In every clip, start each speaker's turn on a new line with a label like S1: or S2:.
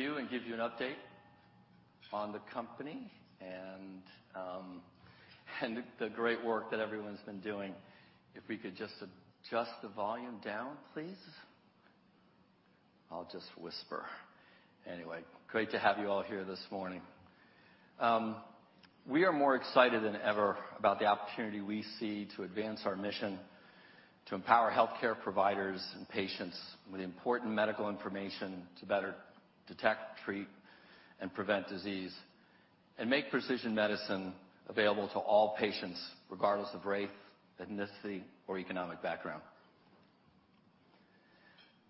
S1: Welcome to Myriad Genetics Investor Day. Really pleased for you to join us today. We're very excited to have you and give you an update on the company and the great work that everyone's been doing. If we could just adjust the volume down, please. I'll just whisper. Anyway, great to have you all here this morning. We are more excited than ever about the opportunity we see to advance our mission to empower healthcare providers and patients with important medical information to better detect, treat, and prevent disease, and make precision medicine available to all patients, regardless of race, ethnicity, or economic background.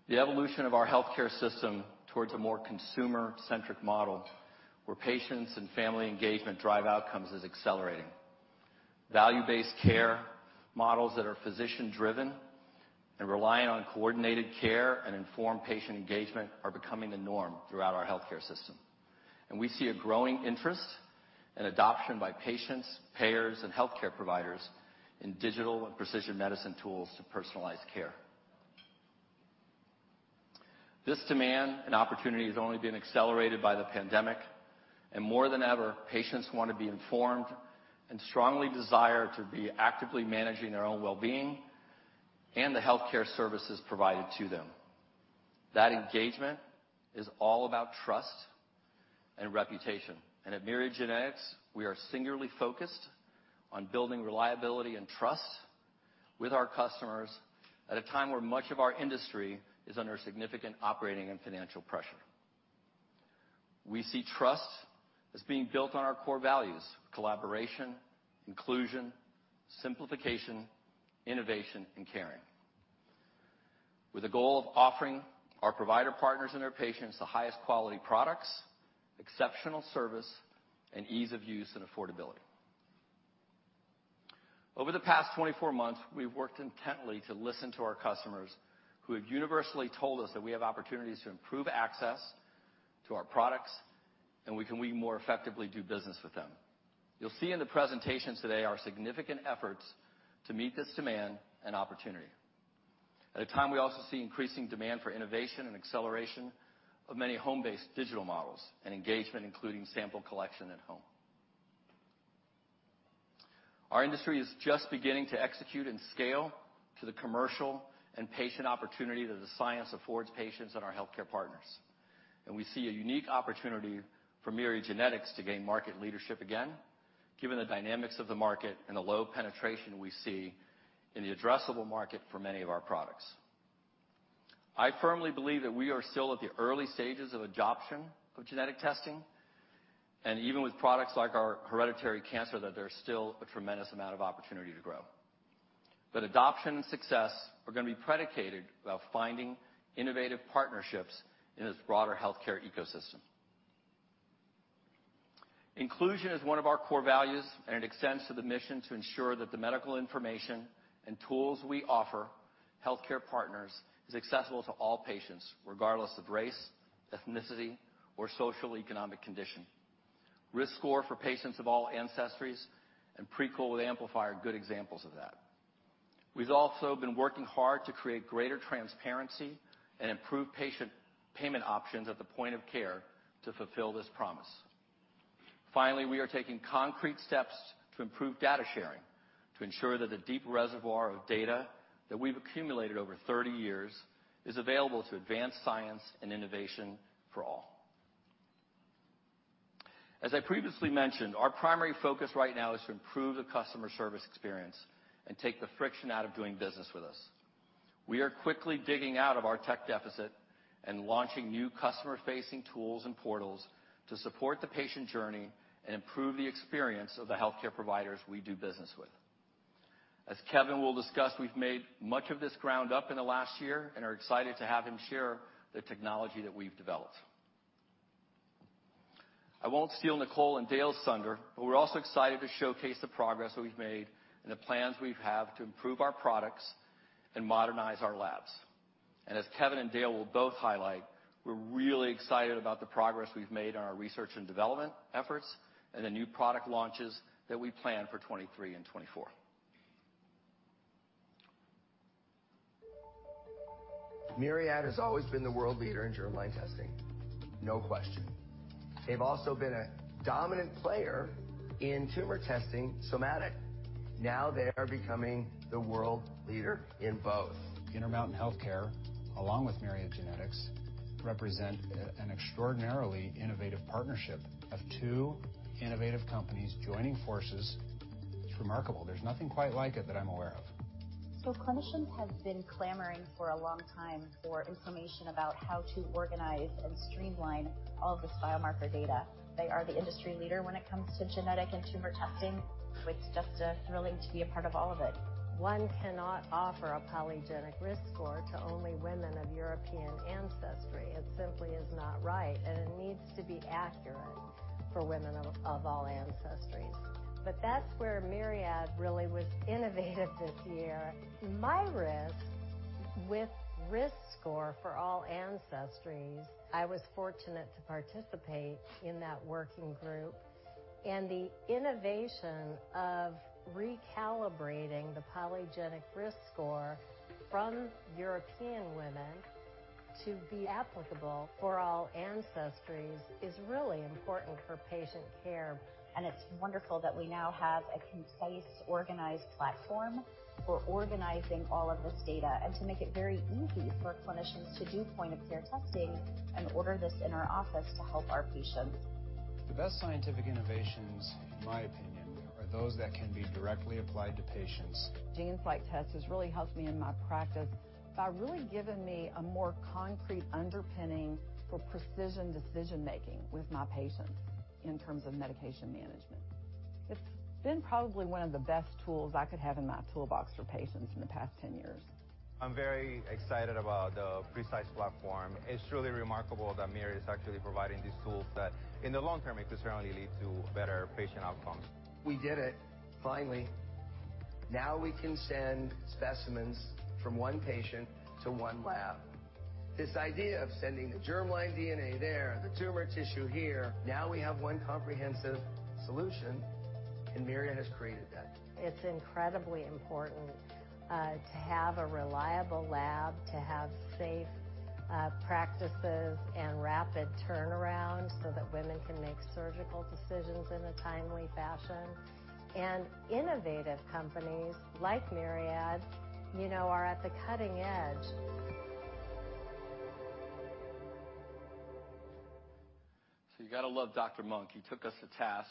S1: The evolution of our healthcare system towards a more consumer-centric model, where patients and family engagement drive outcomes, is accelerating. Value-based care models that are physician-driven and reliant on coordinated care and informed patient engagement are becoming the norm throughout our healthcare system. We see a growing interest and adoption by patients, payers, and healthcare providers in digital and precision medicine tools to personalize care. This demand and opportunity has only been accelerated by the pandemic, and more than ever, patients want to be informed and strongly desire to be actively managing their own well-being and the healthcare services provided to them. That engagement is all about trust and reputation. At Myriad Genetics, we are singularly focused on building reliability and trust with our customers at a time where much of our industry is under significant operating and financial pressure. We see trust as being built on our core values, collaboration, inclusion, simplification, innovation, and caring. With a goal of offering our provider partners and their patients the highest quality products, exceptional service, and ease of use and affordability. Over the past 24 months, we've worked intently to listen to our customers who have universally told us that we have opportunities to improve access to our products, and we can way more effectively do business with them. You'll see in the presentations today our significant efforts to meet this demand and opportunity. At the same time, we also see increasing demand for innovation and acceleration of many home-based digital models and engagement, including sample collection at home. Our industry is just beginning to execute and scale to the commercial and patient opportunity that the science affords patients and our healthcare partners. We see a unique opportunity for Myriad Genetics to gain market leadership again, given the dynamics of the market and the low penetration we see in the addressable market for many of our products. I firmly believe that we are still at the early stages of adoption of genetic testing, and even with products like our hereditary cancer, that there's still a tremendous amount of opportunity to grow. Adoption and success are gonna be predicated about finding innovative partnerships in this broader healthcare ecosystem. Inclusion is one of our core values, and it extends to the mission to ensure that the medical information and tools we offer healthcare partners is accessible to all patients, regardless of race, ethnicity, or socioeconomic condition. Risk score for all ancestries and Prequel with AMPLIFY are good examples of that. We've also been working hard to create greater transparency and improve patient payment options at the point of care to fulfill this promise. Finally, we are taking concrete steps to improve data sharing to ensure that the deep reservoir of data that we've accumulated over 30 years is available to advance science and innovation for all. As I previously mentioned, our primary focus right now is to improve the customer service experience and take the friction out of doing business with us. We are quickly digging out of our tech deficit and launching new customer-facing tools and portals to support the patient journey and improve the experience of the healthcare providers we do business with. As Kevin will discuss, we've made up much of this ground in the last year and are excited to have him share the technology that we've developed. I won't steal Nicole and Dale's thunder, but we're also excited to showcase the progress that we've made and the plans we have to improve our products and modernize our labs. As Kevin and Dale will both highlight, we're really excited about the progress we've made on our research and development efforts and the new product launches that we plan for 2023 and 2024.
S2: Myriad has always been the world leader in germline testing. No question. The've also been a dominant player in somatic tumor testing somatic. Now, they are becoming the world leader in both.
S3: Intermountain Healthcare, along with Myriad Genetics, represent an extraordinarily innovative partnership of two innovative companies joining forces. It's remarkable. There's nothing quite like it that I'm aware of.
S4: Clinicians have been clamoring for a long time for information about how to organize and streamline all this biomarker data. They are the industry leader when it comes to genetic and tumor testing. It's just thrilling to be a part of all of it. One cannot offer a polygenic risk score to only women of European ancestry. It simply is not right, and it needs to be accurate for women of all ancestries. That's where Myriad really was innovative this year. MyRisk, with risk score for all ancestries, I was fortunate to participate in that working group, and the innovation of recalibrating the polygenic risk score from European women to be applicable for all ancestries is really important for patient care. It's wonderful that we now have a concise, organized platform for organizing all of this data and to make it very easy for clinicians to do point-of-care testing and order this in our office to help our patients.
S5: The best scientific innovations, in my opinion, are those that can be directly applied to patients.
S6: GeneSight tests has really helped me in my practice by really giving me a more concrete underpinning for precision decision-making with my patients in terms of medication management. It's been probably one of the best tools I could have in my toolbox for patients in the past 10 years.
S7: I'm very excited about the Precise platform. It's truly remarkable that Myriad is actually providing these tools that, in the long term, it could certainly lead to better patient outcomes.
S8: We did it, finally. Now we can send specimens from one patient to one lab. This idea of sending the germline DNA there, the tumor tissue here, now we have one comprehensive solution, and Myriad has created that.
S9: It's incredibly important to have a reliable lab, to have safe practices and rapid turnaround so that women can make surgical decisions in a timely fashion. Innovative companies like Myriad, you know, are at the cutting edge.
S1: You got to love Dr. Bradley Monk. He took us to task,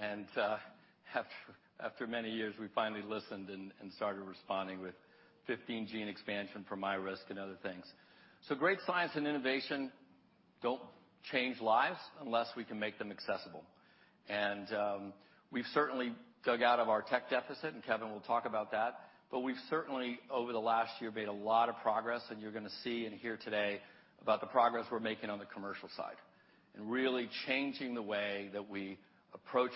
S1: and after many years, we finally listened and started responding with 15 gene expansion for MyRisk and other things. Great science and innovation don't change lives unless we can make them accessible. We've certainly dug out of our tech deficit, and Kevin will talk about that. We've certainly, over the last year, made a lot of progress, and you're going to see and hear today about the progress we're making on the commercial side and really changing the way that we approach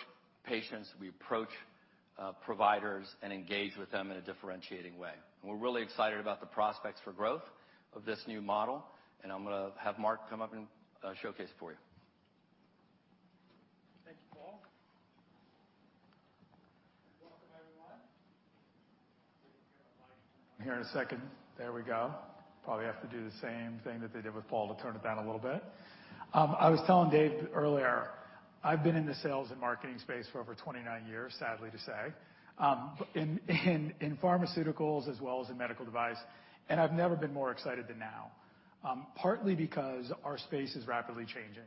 S1: patients and providers and engage with them in a differentiating way. We're really excited about the prospects for growth of this new model. I'm going to have Mark come up and showcase for you.
S10: Thank you, Paul. Welcome, everyone. Let me get a mic here in a second. There we go. Probably have to do the same thing that they did with Paul to turn it down a little bit. I was telling Dave earlier, I've been in the sales and marketing space for over 29 years, sadly to say, in pharmaceuticals as well as in medical device, and I've never been more excited than now. Partly because our space is rapidly changing,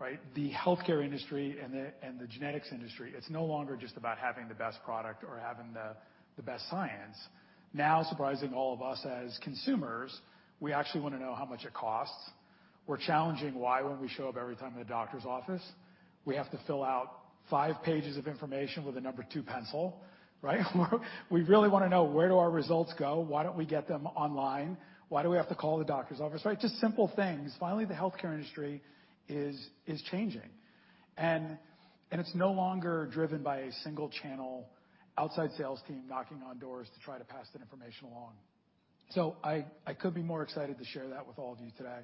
S10: right? The healthcare industry and the genetics industry, it's no longer just about having the best product or having the best science. Now, surprising all of us as consumers, we actually want to know how much it costs. We're challenging why, when we show up every time in the doctor's office, we have to fill out five pages of information with a No. 2 pencil, right? We really want to know where do our results go? Why don't we get them online? Why do we have to call the doctor's office, right? Just simple things. Finally, the healthcare industry is changing, and it's no longer driven by a single channel outside sales team knocking on doors to try to pass that information along. So, I could be more excited to share that with all of you today.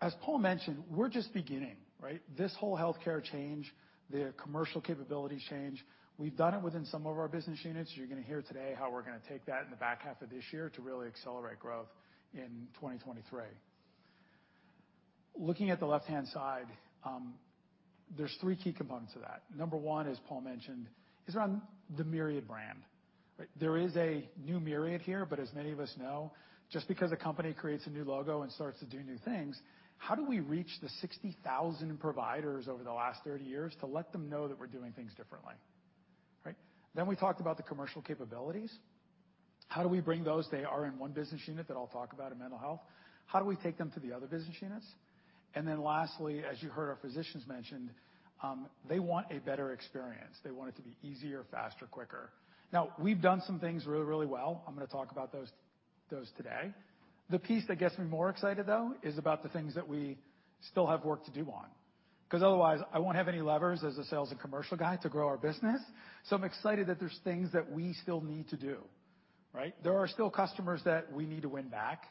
S10: As Paul mentioned, we're just beginning, right? This whole healthcare change, the commercial capabilities change. We've done it within some of our business units. You're going to hear today how we're going to take that in the back half of this year to really accelerate growth in 2023. Looking at the left-hand side, there's three key components to that. Number one, as Paul mentioned, is around the Myriad brand. There is a new Myriad here, but as many of us know, just because a company creates a new logo and starts to do new things, how do we reach the 60,000 providers over the last 30 years to let them know that we're doing things differently, right? We talked about the commercial capabilities. How do we bring those? They are in one business unit that I'll talk about in mental health. How do we take them to the other business units? Lastly, as you heard our physicians mention, they want a better experience. They want it to be easier, faster, quicker. Now, we've done some things really, really well. I'm going to talk about those today. The piece that gets me more excited, though, is about the things that we still have work to do on, because otherwise, I won't have any levers as a sales and commercial guy to grow our business. I'm excited that there's things that we still need to do, right? There are still customers that we need to win back.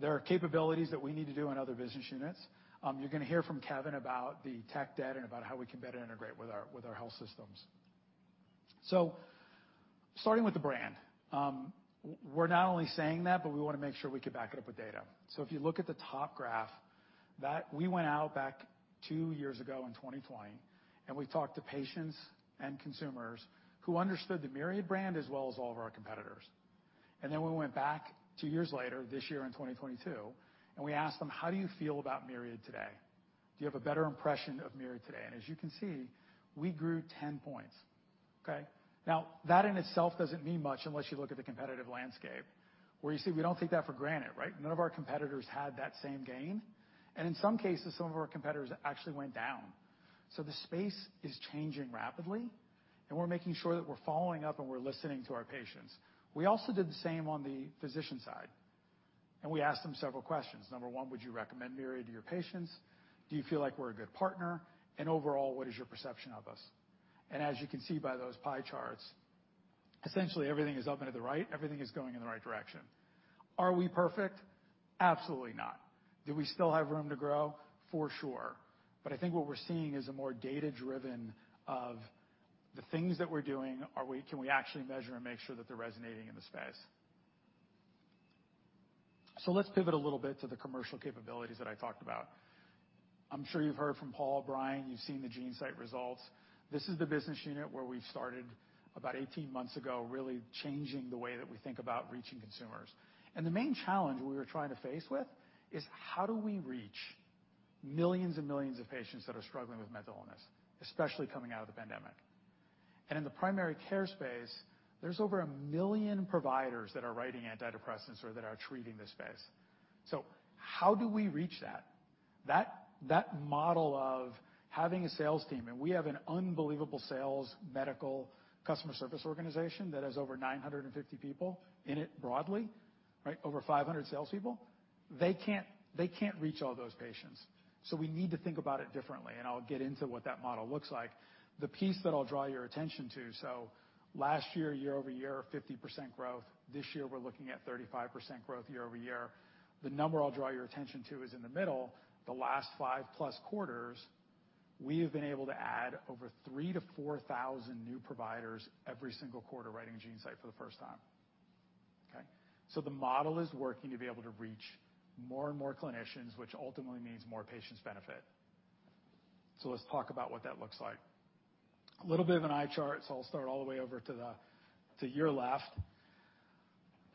S10: There are capabilities that we need to do in other business units. You're going to hear from Kevin about the tech debt and about how we can better integrate with our health systems. Starting with the brand, we're not only saying that, but we want to make sure we could back it up with data. If you look at the top graph, that we went out back two years ago in 2020, and we talked to patients and consumers who understood the Myriad brand as well as all of our competitors. We went back two years later, this year in 2022, and we asked them, "How do you feel about Myriad today? Do you have a better impression of Myriad today?" As you can see, we grew 10 points, okay? Now, that in itself doesn't mean much unless you look at the competitive landscape, where you see we don't take that for granted, right? None of our competitors had that same gain. In some cases, some of our competitors actually went down. The space is changing rapidly, and we're making sure that we're following up and we're listening to our patients. We also did the same on the physician side. We asked them several questions. Number one, would you recommend Myriad to your patients? Do you feel like we're a good partner? And overall, what is your perception of us? And as you can see by those pie charts, essentially everything is up and to the right, everything is going in the right direction. Are we perfect? Absolutely not. Do we still have room to grow? For sure. I think what we're seeing is a more data-driven of the things that we're doing, can we actually measure and make sure that they're resonating in the space. Let's pivot a little bit to the commercial capabilities that I talked about. I'm sure you've heard from Paul, Bryan, you've seen the GeneSight results. This is the business unit where we started about 18 months ago, really changing the way that we think about reaching consumers. The main challenge we were trying to face with is how do we reach millions and millions of patients that are struggling with mental illness, especially coming out of the pandemic? In the primary care space, there's over 1 million providers that are writing antidepressants or that are treating this space. How do we reach that? That model of having a sales team, and we have an unbelievable sales medical customer service organization that has over 950 people in it broadly, right? Over 500 salespeople. They can't, they can't reach all those patients, so we need to think about it differently, and I'll get into what that model looks like. The piece that I'll draw your attention to, last year-over-year, 50% growth. This year, we're looking at 35% growth year-over-year. The number I'll draw your attention to is in the middle, the last five plus quarters, we have been able to add over 3,000-4,000 new providers, every single quarter, writing GeneSight for the first time. Okay. The model is working to be able to reach more and more clinicians, which ultimately means more patients benefit. Let's talk about what that looks like. A little bit of an eye chart. I'll start all the way over to your left.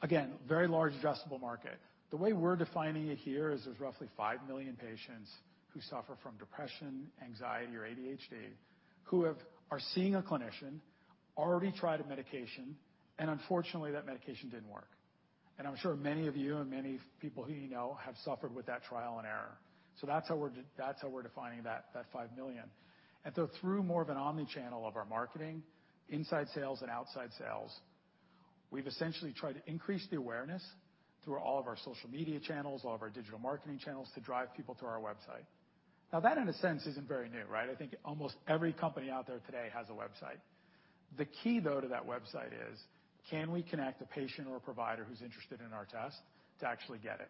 S10: Again, very large addressable market. The way we're defining it here is there's roughly five million patients who suffer from depression, anxiety, or ADHD, who are seeing a clinician, already tried a medication, and unfortunately, that medication didn't work. I'm sure many of you and many people who you know have suffered with that trial and error. That's how we're defining that five million. Through more of an omnichannel of our marketing, inside sales and outside sales, we've essentially tried to increase the awareness through all of our social media channels, all of our digital marketing channels to drive people to our website. Now, that in a sense, isn't very new, right? I think almost every company out there today has a website. The key, though, to that website is, can we connect a patient or a provider who's interested in our test to actually get it?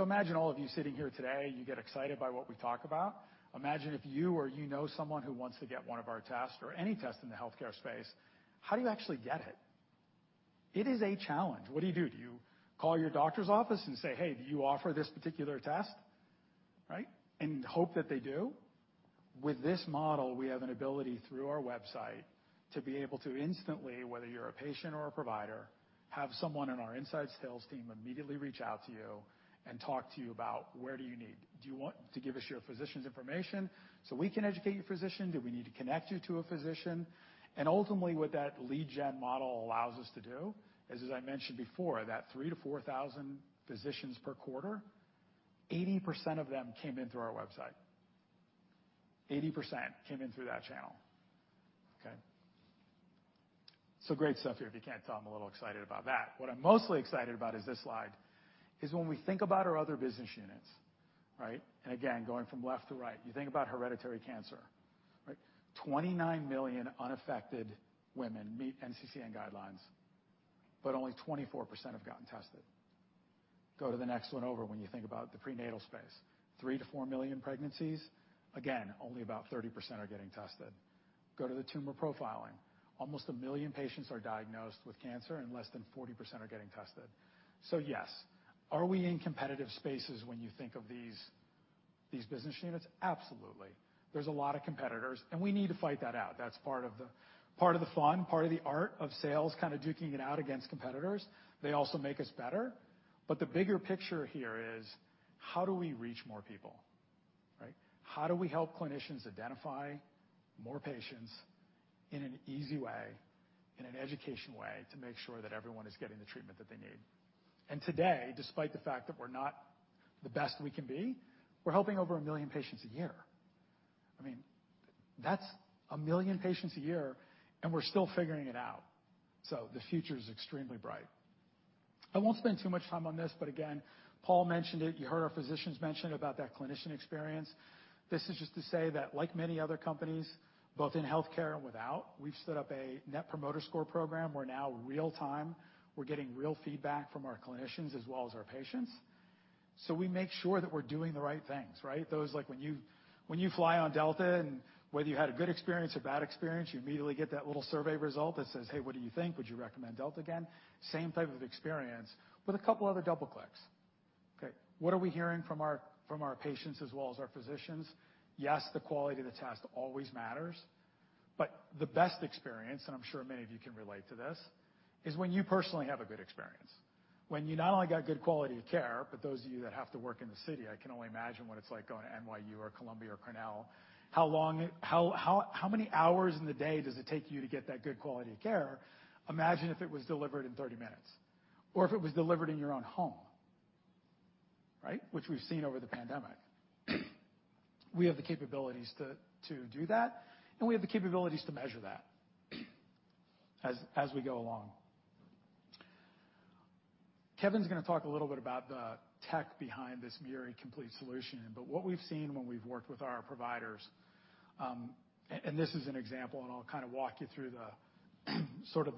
S10: Imagine all of you sitting here today, you get excited by what we talk about. Imagine if you or you know someone who wants to get one of our tests or any test in the healthcare space, how do you actually get it? It is a challenge. What do you do? Do you call your doctor's office and say, "Hey, do you offer this particular test?" Right? Hope that they do. With this model, we have an ability, through our website, to be able to instantly, whether you're a patient or a provider, have someone on our inside sales team immediately reach out to you and talk to you about where do you need. Do you want to give us your physician's information so we can educate your physician? Do we need to connect you to a physician? Ultimately, what that lead gen model allows us to do is, as I mentioned before, that 3,000-4,000 physicians per quarter, 80% of them came in through our website. 80% came in through that channel. Okay. Great stuff here. If you can't tell, I'm a little excited about that. What I'm mostly excited about is thi slide is, when we think about our other business units, right? Again, going from left to right, you think about hereditary cancer, right? 29 million unaffected women meet NCCN guidelines, but only 24% have gotten tested. Go to the next one over when you think about the prenatal space. Three to four 4 million pregnancies. Again, only about 30% are getting tested. Go to the tumor profiling. Almost one million patients are diagnosed with cancer, and less than 40% are getting tested. Yes. Are we in competitive spaces when you think of these business units? Absolutely. There's a lot of competitors, and we need to fight that out. That's part of the fun, part of the art of sales, kinda duking it out against competitors. They also make us better. The bigger picture here is how do we reach more people, right? How do we help clinicians identify more patients in an easy way, in an education way, to make sure that everyone is getting the treatment that they need? Today, despite the fact that we're not the best we can be, we're helping over one million patients a year. I mean, that's a million patients a year, and we're still figuring it out, so the future is extremely bright. I won't spend too much time on this, but again, Paul mentioned it, you heard our physicians mention about that clinician experience. This is just to say that like many other companies, both in healthcare and without, we've set up a Net Promoter Score program where now, real-time, we're getting real feedback from our clinicians as well as our patients. We make sure that we're doing the right things, right? That's like when you fly on Delta and whether you had a good experience or bad experience, you immediately get that little survey result that says, "Hey, what do you think? Would you recommend Delta again?" Same type of experience with a couple other double-clicks. Okay. What are we hearing from our patients as well as our physicians? Yes, the quality of the test always matters, but the best experience, and I'm sure many of you can relate to this, is when you personally have a good experience. When you not only got good quality of care, but those of you that have to work in the city, I can only imagine what it's like going to NYU or Columbia or Cornell. How many hours in the day does it take you to get that good quality of care? Imagine if it was delivered in 30 minutes or if it was delivered in your own home, right? Which we've seen over the pandemic. We have the capabilities to do that, and we have the capabilities to measure that. As we go along. Kevin's gonna talk a little bit about the tech behind this Myriad Complete solution. What we've seen when we've worked with our providers, and this is an example, and I'll kind of walk you through sort of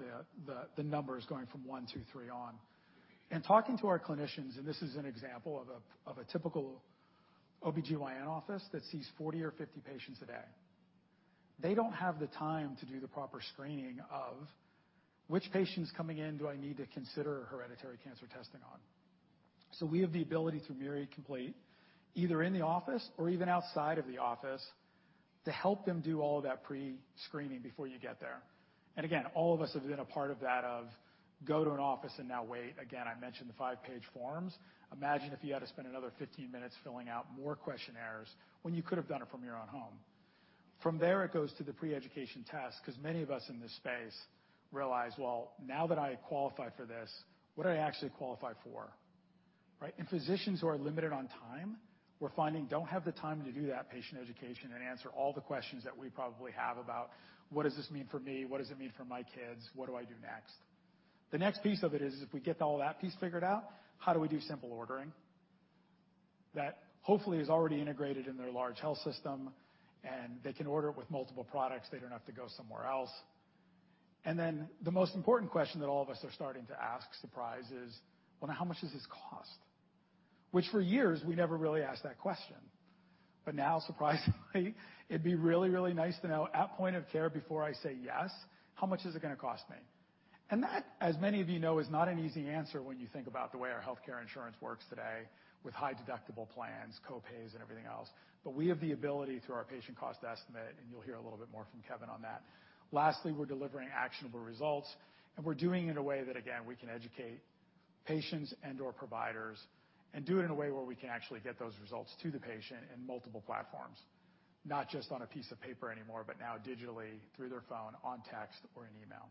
S10: the numbers going from one to three on. In talking to our clinicians, this is an example of a typical OB-GYN office that sees 40 or 50 patients a day, they don't have the time to do the proper screening of which patient's coming in, do I need to consider hereditary cancer testing on? We have the ability through Myriad Complete, either in the office or even outside of the office, to help them do all of that pre-screening before you get there. Again, all of us have been a part of that, of go to an office and now wait. Again, I mentioned the five-page forms. Imagine if you had to spend another 15 minutes filling out more questionnaires when you could have done it from your own home. From there, it goes to the pre-education test, 'cause many of us in this space realize, well, now that I qualify for this, what do I actually qualify for? Right? Physicians who are limited on time, we're finding don't have the time to do that patient education and answer all the questions that we probably have about what does this mean for me? What does it mean for my kids? What do I do next? The next piece of it is, if we get all that piece figured out, how do we do simple ordering? That hopefully is already integrated in their large health system, and they can order it with multiple products. They don't have to go somewhere else. Then the most important question that all of us are starting to ask, surprisingly, is, well, now how much does this cost? Which for years, we never really asked that question. Now, surprisingly, it'd be really, really nice to know at point of care before I say yes, how much is it gonna cost me? That, as many of you know, is not an easy answer when you think about the way our healthcare insurance works today with high-deductible plans, co-pays, and everything else. We have the ability through our patient cost estimate, and you'll hear a little bit more from Kevin on that. Lastly, we're delivering actionable results, and we're doing it in a way that, again, we can educate patients and/or providers and do it in a way where we can actually get those results to the patient in multiple platforms. Not just on a piece of paper anymore, but now digitally through their phone, on text, or in email.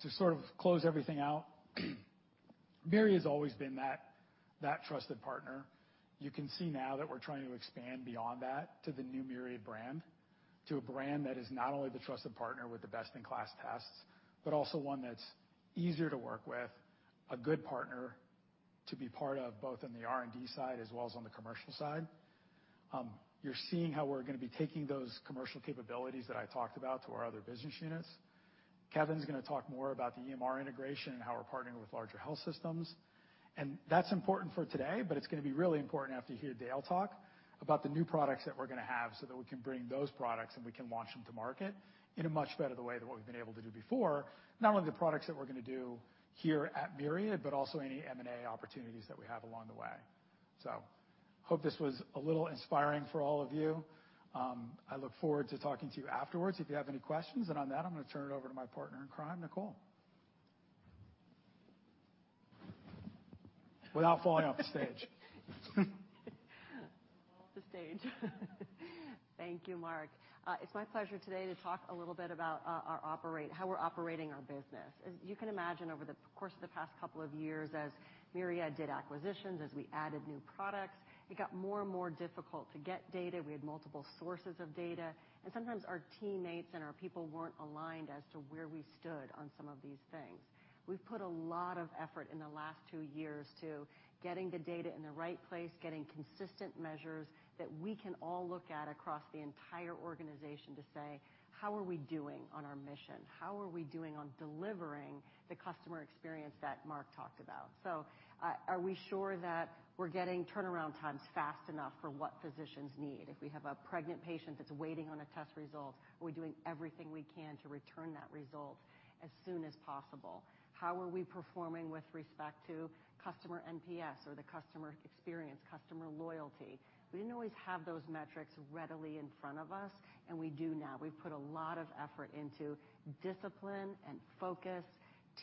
S10: To sort of close everything out, Myriad has always been that trusted partner. You can see now that we're trying to expand beyond that to the new Myriad brand. To a brand that is not only the trusted partner with the best-in-class tests, but also one that's easier to work with, a good partner to be part of, both in the R&D side as well as on the commercial side. You're seeing how we're gonna be taking those commercial capabilities that I talked about to our other business units. Kevin's gonna talk more about the EMR integration and how we're partnering with larger health systems. That's important for today, but it's gonna be really important after you hear Dale talk about the new products that we're gonna have so that we can bring those products and we can launch them to market in a much better way than what we've been able to do before. Not only the products that we're gonna do here at Myriad, but also any M&A opportunities that we have along the way. Hope this was a little inspiring for all of you. I look forward to talking to you afterwards if you have any questions. On that, I'm gonna turn it over to my partner in crime, Nicole. Without falling off the stage.
S11: Off the stage. Thank you, Mark. It's my pleasure today to talk a little bit about how we're operating our business. As you can imagine, over the course of the past couple of years as Myriad did acquisitions, as we added new products, it got more and more difficult to get data. We had multiple sources of data, and sometimes our teammates and our people weren't aligned as to where we stood on some of these things. We've put a lot of effort in the last two years to getting the data in the right place, getting consistent measures that we can all look at across the entire organization to say, "How are we doing on our mission? How are we doing on delivering the customer experience that Mark talked about? Are we sure that we're getting turnaround times fast enough for what physicians need? If we have a pregnant patient that's waiting on a test result, are we doing everything we can to return that result as soon as possible? How are we performing with respect to customer NPS or the customer experience, customer loyalty?" We didn't always have those metrics readily in front of us, and we do now. We've put a lot of effort into discipline and focus,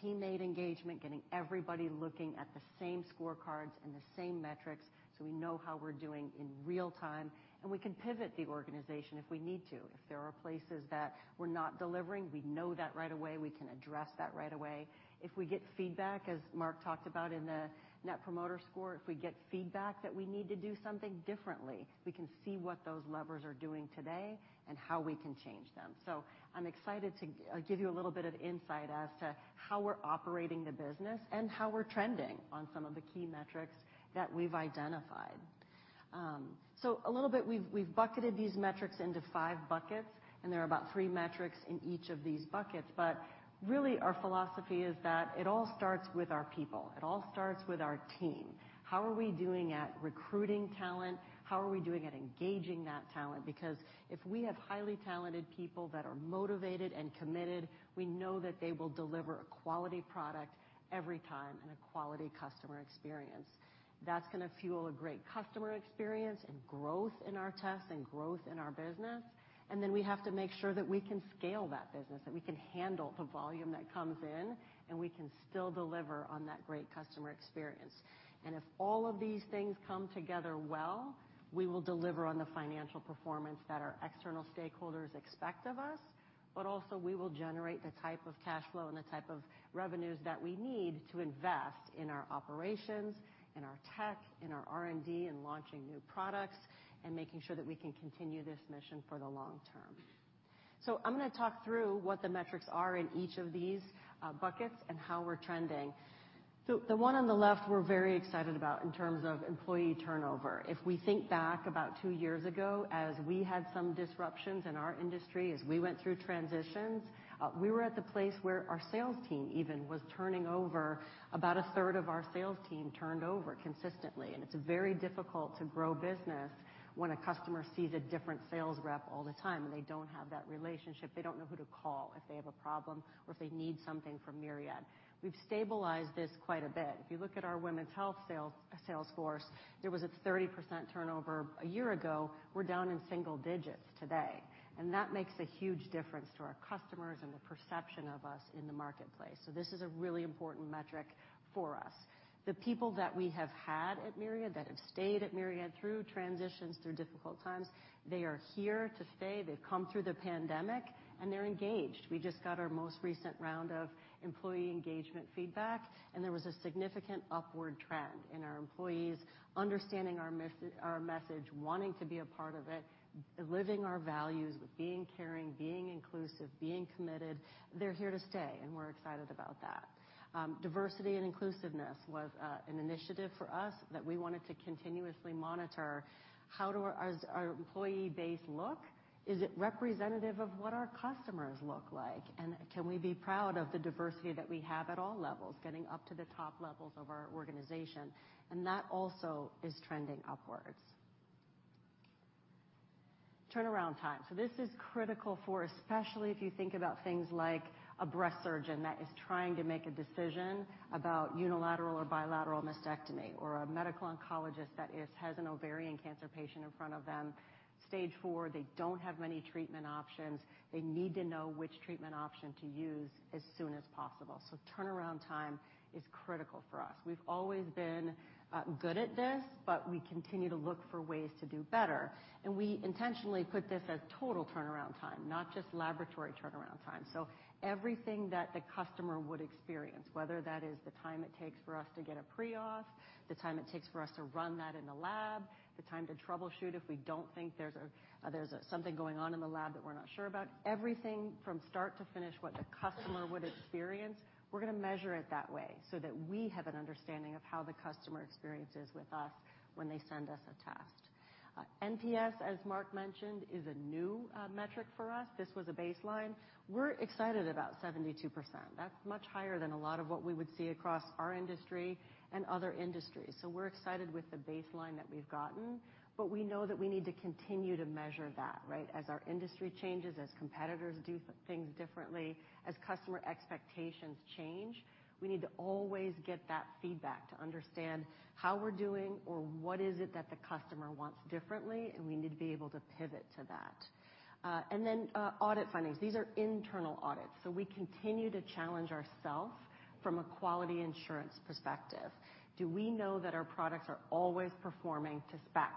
S11: teammate engagement, getting everybody looking at the same scorecards and the same metrics so we know how we're doing in real time, and we can pivot the organization if we need to. If there are places that we're not delivering, we know that right away. We can address that right away. If we get feedback, as Mark talked about in the Net Promoter Score, if we get feedback that we need to do something differently, we can see what those levers are doing today and how we can change them. I'm excited to give you a little bit of insight as to how we're operating the business and how we're trending on some of the key metrics that we've identified. A little bit, we've bucketed these metrics into five buckets, and there are about three metrics in each of these buckets. Really our philosophy is that it all starts with our people. It all starts with our team. How are we doing at recruiting talent? How are we doing at engaging that talent? Because if we have highly talented people that are motivated and committed, we know that they will deliver a quality product every time and a quality customer experience. That's gonna fuel a great customer experience and growth in our tests and growth in our business. Then, we have to make sure that we can scale that business, that we can handle the volume that comes in, and we can still deliver on that great customer experience. If all of these things come together well, we will deliver on the financial performance that our external stakeholders expect of us. Also we will generate the type of cash flow and the type of revenues that we need to invest in our operations, in our tech, in our R&D, in launching new products, and making sure that we can continue this mission for the long term. I'm gonna talk through what the metrics are in each of these buckets and how we're trending. The one on the left we're very excited about in terms of employee turnover. If we think back about two years ago, as we had some disruptions in our industry, as we went through transitions, we were at the place where our sales team even was turning over. About 1/3 of our sales team turned over consistently. It's very difficult to grow business when a customer sees a different sales rep all the time, and they don't have that relationship. They don't know who to call if they have a problem, or if they need something from Myriad. We've stabilized this quite a bit. If you look at our women's health sales force, there was a 30% turnover a year ago. We're down in single digits today. That makes a huge difference to our customers and the perception of us in the marketplace. This is a really important metric for us. The people that we have had at Myriad, that have stayed at Myriad through transitions, through difficult times, they are here to stay. They've come through the pandemic, and they're engaged. We just got our most recent round of employee engagement feedback, and there was a significant upward trend in our employees understanding our message, wanting to be a part of it, living our values with being caring, being inclusive, being committed. They're here to stay, and we're excited about that. Diversity and inclusiveness was an initiative for us that we wanted to continuously monitor. Does our employee base look? Is it representative of what our customers look like? Can we be proud of the diversity that we have at all levels, getting up to the top levels of our organization? That also is trending upwards. Turnaround time. This is critical for, especially if you think about things like a breast surgeon that is trying to make a decision about unilateral or bilateral mastectomy, or a medical oncologist that is--has an ovarian cancer patient in front of them, Stage 4, they don't have many treatment options. They need to know which treatment option to use as soon as possible. Turnaround time is critical for us. We've always been good at this, but we continue to look for ways to do better. We intentionally put this as total turnaround time, not just laboratory turnaround time. Everything that the customer would experience, whether that is the time it takes for us to get a pre-auth, the time it takes for us to run that in the lab, the time to troubleshoot if we don't think there's something going on in the lab that we're not sure about. Everything from start to finish, what the customer would experience, we're gonna measure it that way, so that we have an understanding of how the customer experience is with us when they send us a test. NPS, as Mark mentioned, is a new metric for us. This was a baseline. We're excited about 72%. That's much higher than a lot of what we would see across our industry and other industries. We're excited with the baseline that we've gotten, but we know that we need to continue to measure that, right? As our industry changes, as competitors do things differently, as customer expectations change, we need to always get that feedback to understand how we're doing or what is it that the customer wants differently, and we need to be able to pivot to that. Audit findings. These are internal audits. We continue to challenge ourselves from a quality assurance perspective. Do we know that our products are always performing to spec?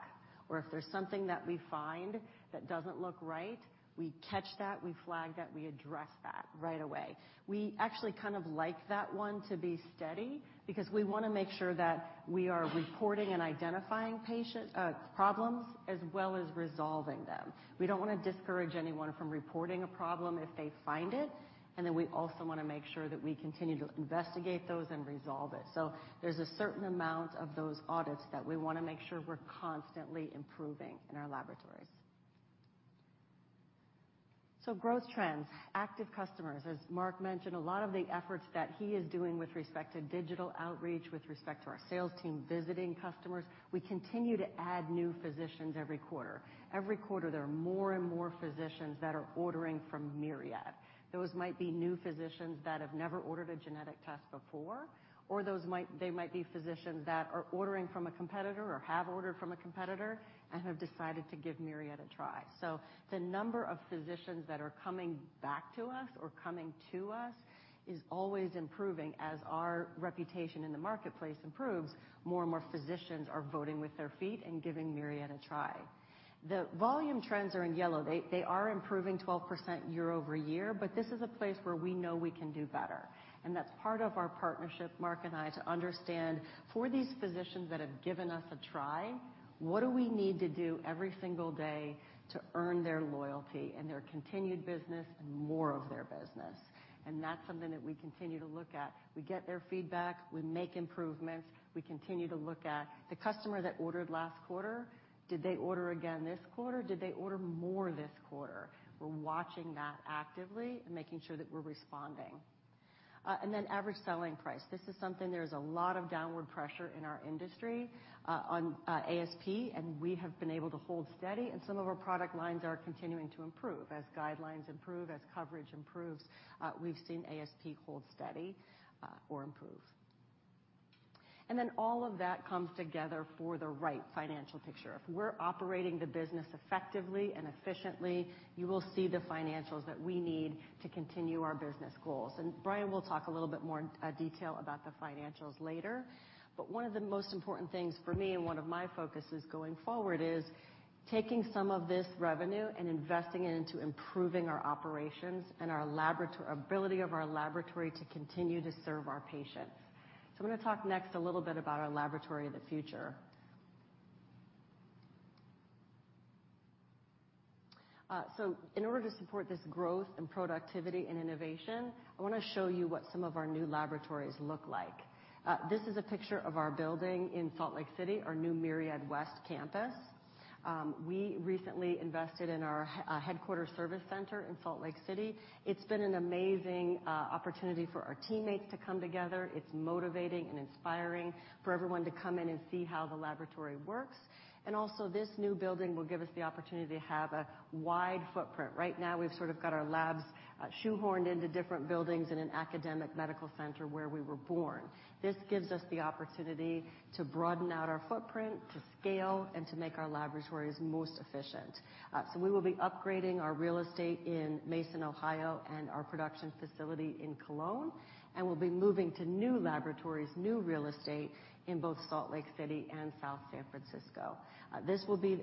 S11: Or if there's something that we find that doesn't look right, we catch that, we flag that, we address that right away. We actually kind of like that one to be steady because we wanna make sure that we are reporting and identifying patient problems as well as resolving them. We don't wanna discourage anyone from reporting a problem if they find it. We also wanna make sure that we continue to investigate those and resolve it. There's a certain amount of those audits that we wanna make sure we're constantly improving in our laboratories. Growth trends, active customers. As Mark mentioned, a lot of the efforts that he is doing with respect to digital outreach, with respect to our sales team visiting customers, we continue to add new physicians every quarter. Every quarter, there are more and more physicians that are ordering from Myriad. Those might be new physicians that have never ordered a genetic test before, or those might be physicians that are ordering from a competitor or have ordered from a competitor and have decided to give Myriad a try. The number of physicians that are coming back to us or coming to us is always improving. As our reputation in the marketplace improves, more and more physicians are voting with their feet and giving Myriad a try. The volume trends are in yellow. They are improving 12% year-over-year, but this is a place where we know we can do better. That's part of our partnership, Mark and I, to understand, for these physicians that have given us a try, what do we need to do every single day to earn their loyalty and their continued business and more of their business? That's something that we continue to look at. We get their feedback, we make improvements. We continue to look at the customer that ordered last quarter, did they order again this quarter? Did they order more this quarter? We're watching that actively and making sure that we're responding. And then average selling price. This is something there is a lot of downward pressure in our industry on ASP, and we have been able to hold steady, and some of our product lines are continuing to improve. As guidelines improve, as coverage improves, we've seen ASP hold steady or improve. Then all of that comes together for the right financial picture. If we're operating the business effectively and efficiently, you will see the financials that we need to continue our business goals. Bryan will talk a little bit more in detail about the financials later. One of the most important things for me and one of my focuses going forward is taking some of this revenue and investing it into improving our operations and our ability of our laboratory to continue to serve our patients. I'm gonna talk next a little bit about our laboratory of the future. In order to support this growth and productivity and innovation, I wanna show you what some of our new laboratories look like. This is a picture of our building in Salt Lake City, our new Myriad West Campus. We recently invested in our headquarters service center in Salt Lake City. It's been an amazing opportunity for our teammates to come together. It's motivating and inspiring for everyone to come in and see how the laboratory works. This new building will give us the opportunity to have a wide footprint. Right now, we've sort of got our labs shoehorned into different buildings in an academic medical center where we were born. This gives us the opportunity to broaden out our footprint, to scale, and to make our laboratories most efficient. We will be upgrading our real estate in Mason, Ohio, and our production facility in Cologne, and we'll be moving to new laboratories, new real estate in both Salt Lake City and South San Francisco. This will be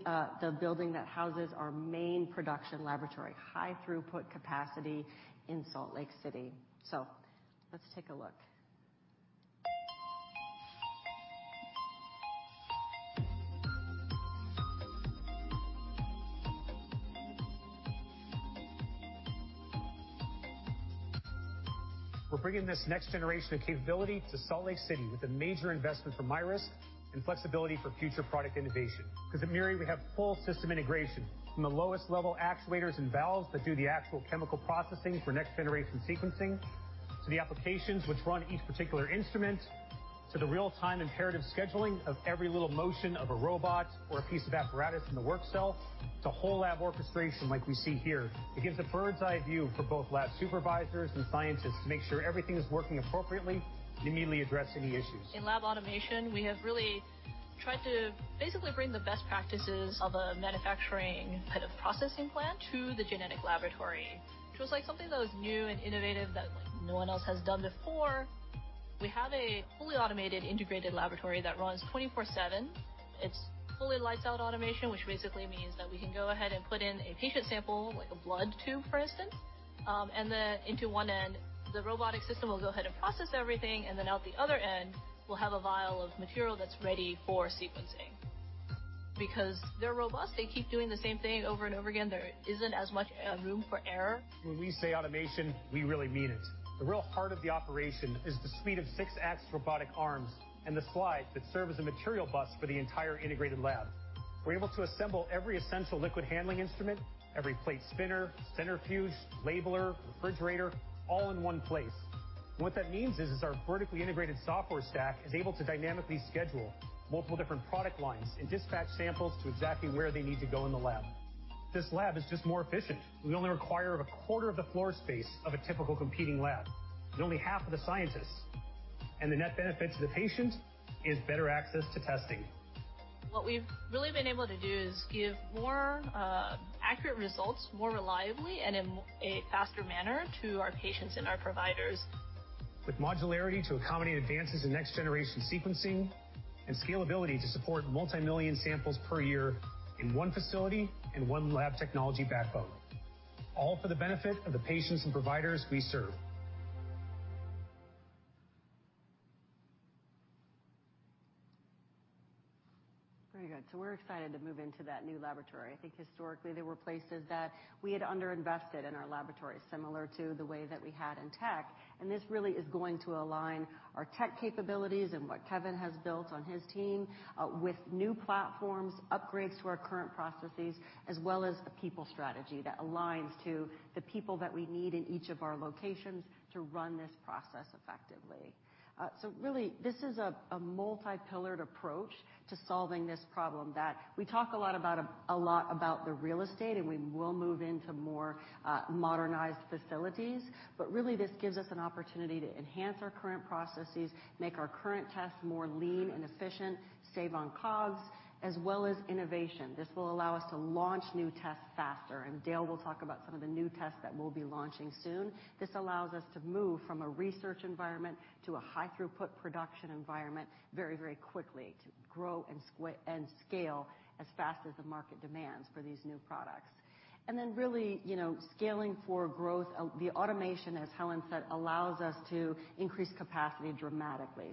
S11: the building that houses our main production laboratory, high throughput capacity in Salt Lake City. Let's take a look.
S12: We're bringing this next generation of capability to Salt Lake City with a major investment from Iris and flexibility for future product innovation. Because at Myriad, we have full system integration from the lowest level actuators and valves that do the actual chemical processing for next-generation sequencing, to the applications which run each particular instrument, to the real-time imperative scheduling of every little motion of a robot or a piece of apparatus in the work cell. It's a whole lab orchestration like we see here. It gives a bird's-eye view for both lab supervisors and scientists to make sure everything is working appropriately and immediately address any issues.
S13: In lab automation, we have really tried to basically bring the best practices of a manufacturing kind of processing plant to the genetic laboratory, which was like something that was new and innovative that no one else has done before. We have a fully automated integrated laboratory that runs 24/7. It's fully lights out automation, which basically means that we can go ahead and put in a patient sample, like a blood tube, for instance, and then into one end, the robotic system will go ahead and process everything, and then out the other end, we'll have a vial of material that's ready for sequencing. Because they're robust, they keep doing the same thing over and over again, there isn't as much room for error.
S12: When we say automation, we really mean it. The real heart of the operation is the speed of six-axis robotic arms and the slide that serve as a material bus for the entire integrated lab. We're able to assemble every essential liquid handling instrument, every plate spinner, centrifuge, labeler, refrigerator, all in one place. What that means is our vertically integrated software stack is able to dynamically schedule multiple different product lines and dispatch samples to exactly where they need to go in the lab. This lab is just more efficient. We only require a quarter of the floor space of a typical competing lab. We only require half of the scientists, and the net benefit to the patient is better access to testing.
S13: What we've really been able to do is give more accurate results, more reliably and in a faster manner to our patients and our providers.
S12: With modularity to accommodate advances in next-generation sequencing and scalability to support multimillion samples per year in one facility and one lab technology backbone, all for the benefit of the patients and providers we serve.
S11: Very good. We're excited to move into that new laboratory. I think historically there were places that we had underinvested in our laboratory, similar to the way that we had in tech, and this really is going to align our tech capabilities and what Kevin has built on his team with new platforms, upgrades to our current processes, as well as a people strategy that aligns to the people that we need in each of our locations to run this process effectively. Really, this is a multi-pillared approach to solving this problem that we talk a lot about, a lot about the real estate, and we, will move into more modernized facilities. Really this gives us an opportunity to enhance our current processes, make our current tests more lean and efficient, save on COGS, as well as innovation. This will allow us to launch new tests faster, and Dale will talk about some of the new tests that we'll be launching soon. This allows us to move from a research environment to a high throughput production environment very, very quickly to grow and scale as fast as the market demands for these new products. Really, you know, scaling for growth. The automation, as Kevin said, allows us to increase capacity dramatically.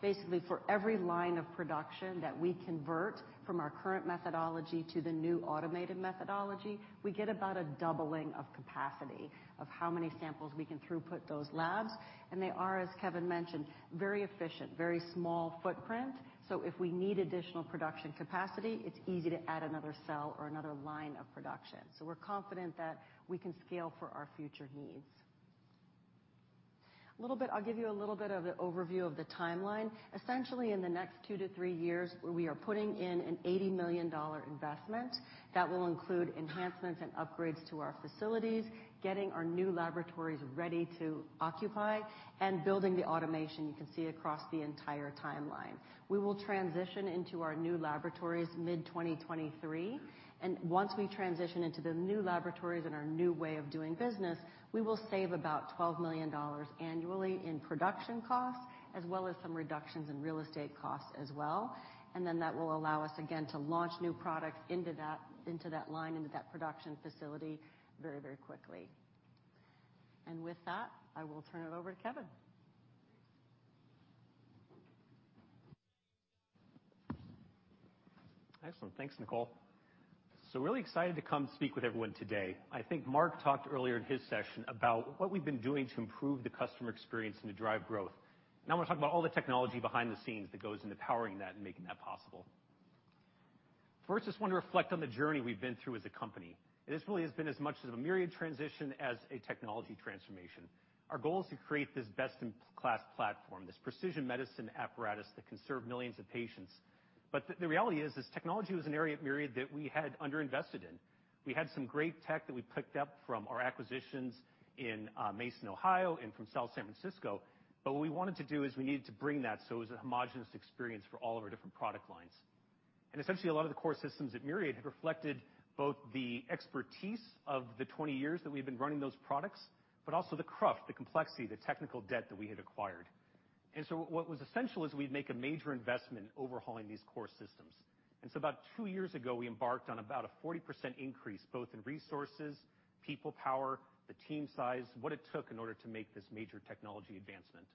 S11: Basically, for every line of production that we convert from our current methodology to the new automated methodology, we get about a doubling of capacity of how many samples we can throughput those labs. They are, as Kevin mentioned, very efficient, very small footprint. If we need additional production capacity, it's easy to add another cell or another line of production. We're confident that we can scale for our future needs. I'll give you a little bit of an overview of the timeline. Essentially, in the next two to three years, we are putting in an $80 million investment that will include enhancements and upgrades to our facilities, getting our new laboratories ready to occupy, and building the automation you can see across the entire timeline. We will transition into our new laboratories mid-2023, and once we transition into the new laboratories and our new way of doing business, we will save about $12 million annually in production costs, as well as some reductions in real estate costs as well. Then that will allow us again to launch new products into that line, into that production facility very, very quickly. With that, I will turn it over to Kevin.
S14: Excellent. Thanks, Nicole. Really excited to come speak with everyone today. I think Mark talked earlier in his session about what we've been doing to improve the customer experience and to drive growth. Now, we're talking about all the technology behind the scenes that goes into powering that and making that possible. First, just want to reflect on the journey we've been through as a company. This really has been as much as a Myriad transition as a technology transformation. Our goal is to create this best-in-class platform, this precision medicine apparatus that can serve millions of patients. The reality is technology was an area at Myriad that we had underinvested in. We had some great tech that we picked up from our acquisitions in Mason, Ohio, and from South San Francisco, but what we wanted to do is we needed to bring that so it was a homogeneous experience for all of our different product lines. Essentially, a lot of the core systems at Myriad had reflected both the expertise of the 20 years that we've been running those products, but also the cruft, the complexity, the technical debt that we had acquired. What was essential is we'd make a major investment overhauling these core systems. About two years ago, we embarked on about a 40% increase, both in resources, people power, the team size, what it took in order to make this major technology advancement.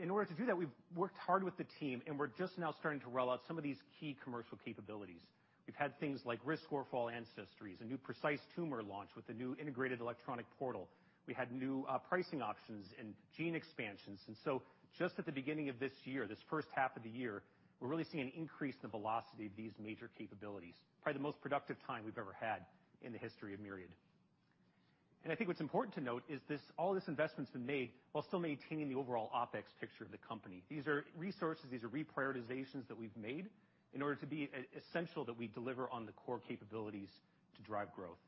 S14: In order to do that, we've worked hard with the team, and we're just now starting to roll out some of these key commercial capabilities. We've had things like risk score for all ancestries, a new Precise Tumor launch with a new integrated electronic portal. We had new pricing options and gene expansions. Just at the beginning of this year, this first half of the year, we're really seeing an increase in the velocity of these major capabilities. Probably the most productive time we've ever had in the history of Myriad. I think what's important to note is this, all this investment's been made while still maintaining the overall OpEx picture of the company. These are resources, these are reprioritizations that we've made in order to be essential that we deliver on the core capabilities to drive growth.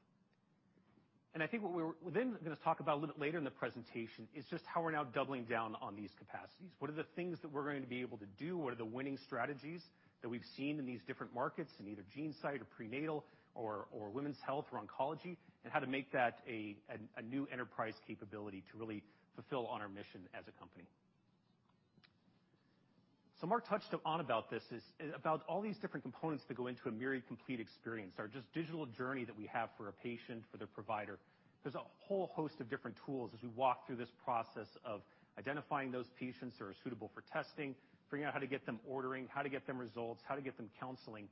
S14: I think what we're--then gonna talk about a little bit later in the presentation is just how we're now doubling down on these capacities. What are the things that we're going to be able to do? What are the winning strategies that we've seen in these different markets in either GeneSight or prenatal or women's health or oncology, and how to make that a new enterprise capability to really fulfill on our mission as a company. Mark touched on about this, is about all these different components that go into a Myriad Complete experience, or just digital journey that we have for a patient, for their provider. There's a whole host of different tools as we walk through this process of identifying those patients who are suitable for testing, figuring out how to get them ordering, how to get them results, how to get them counseling.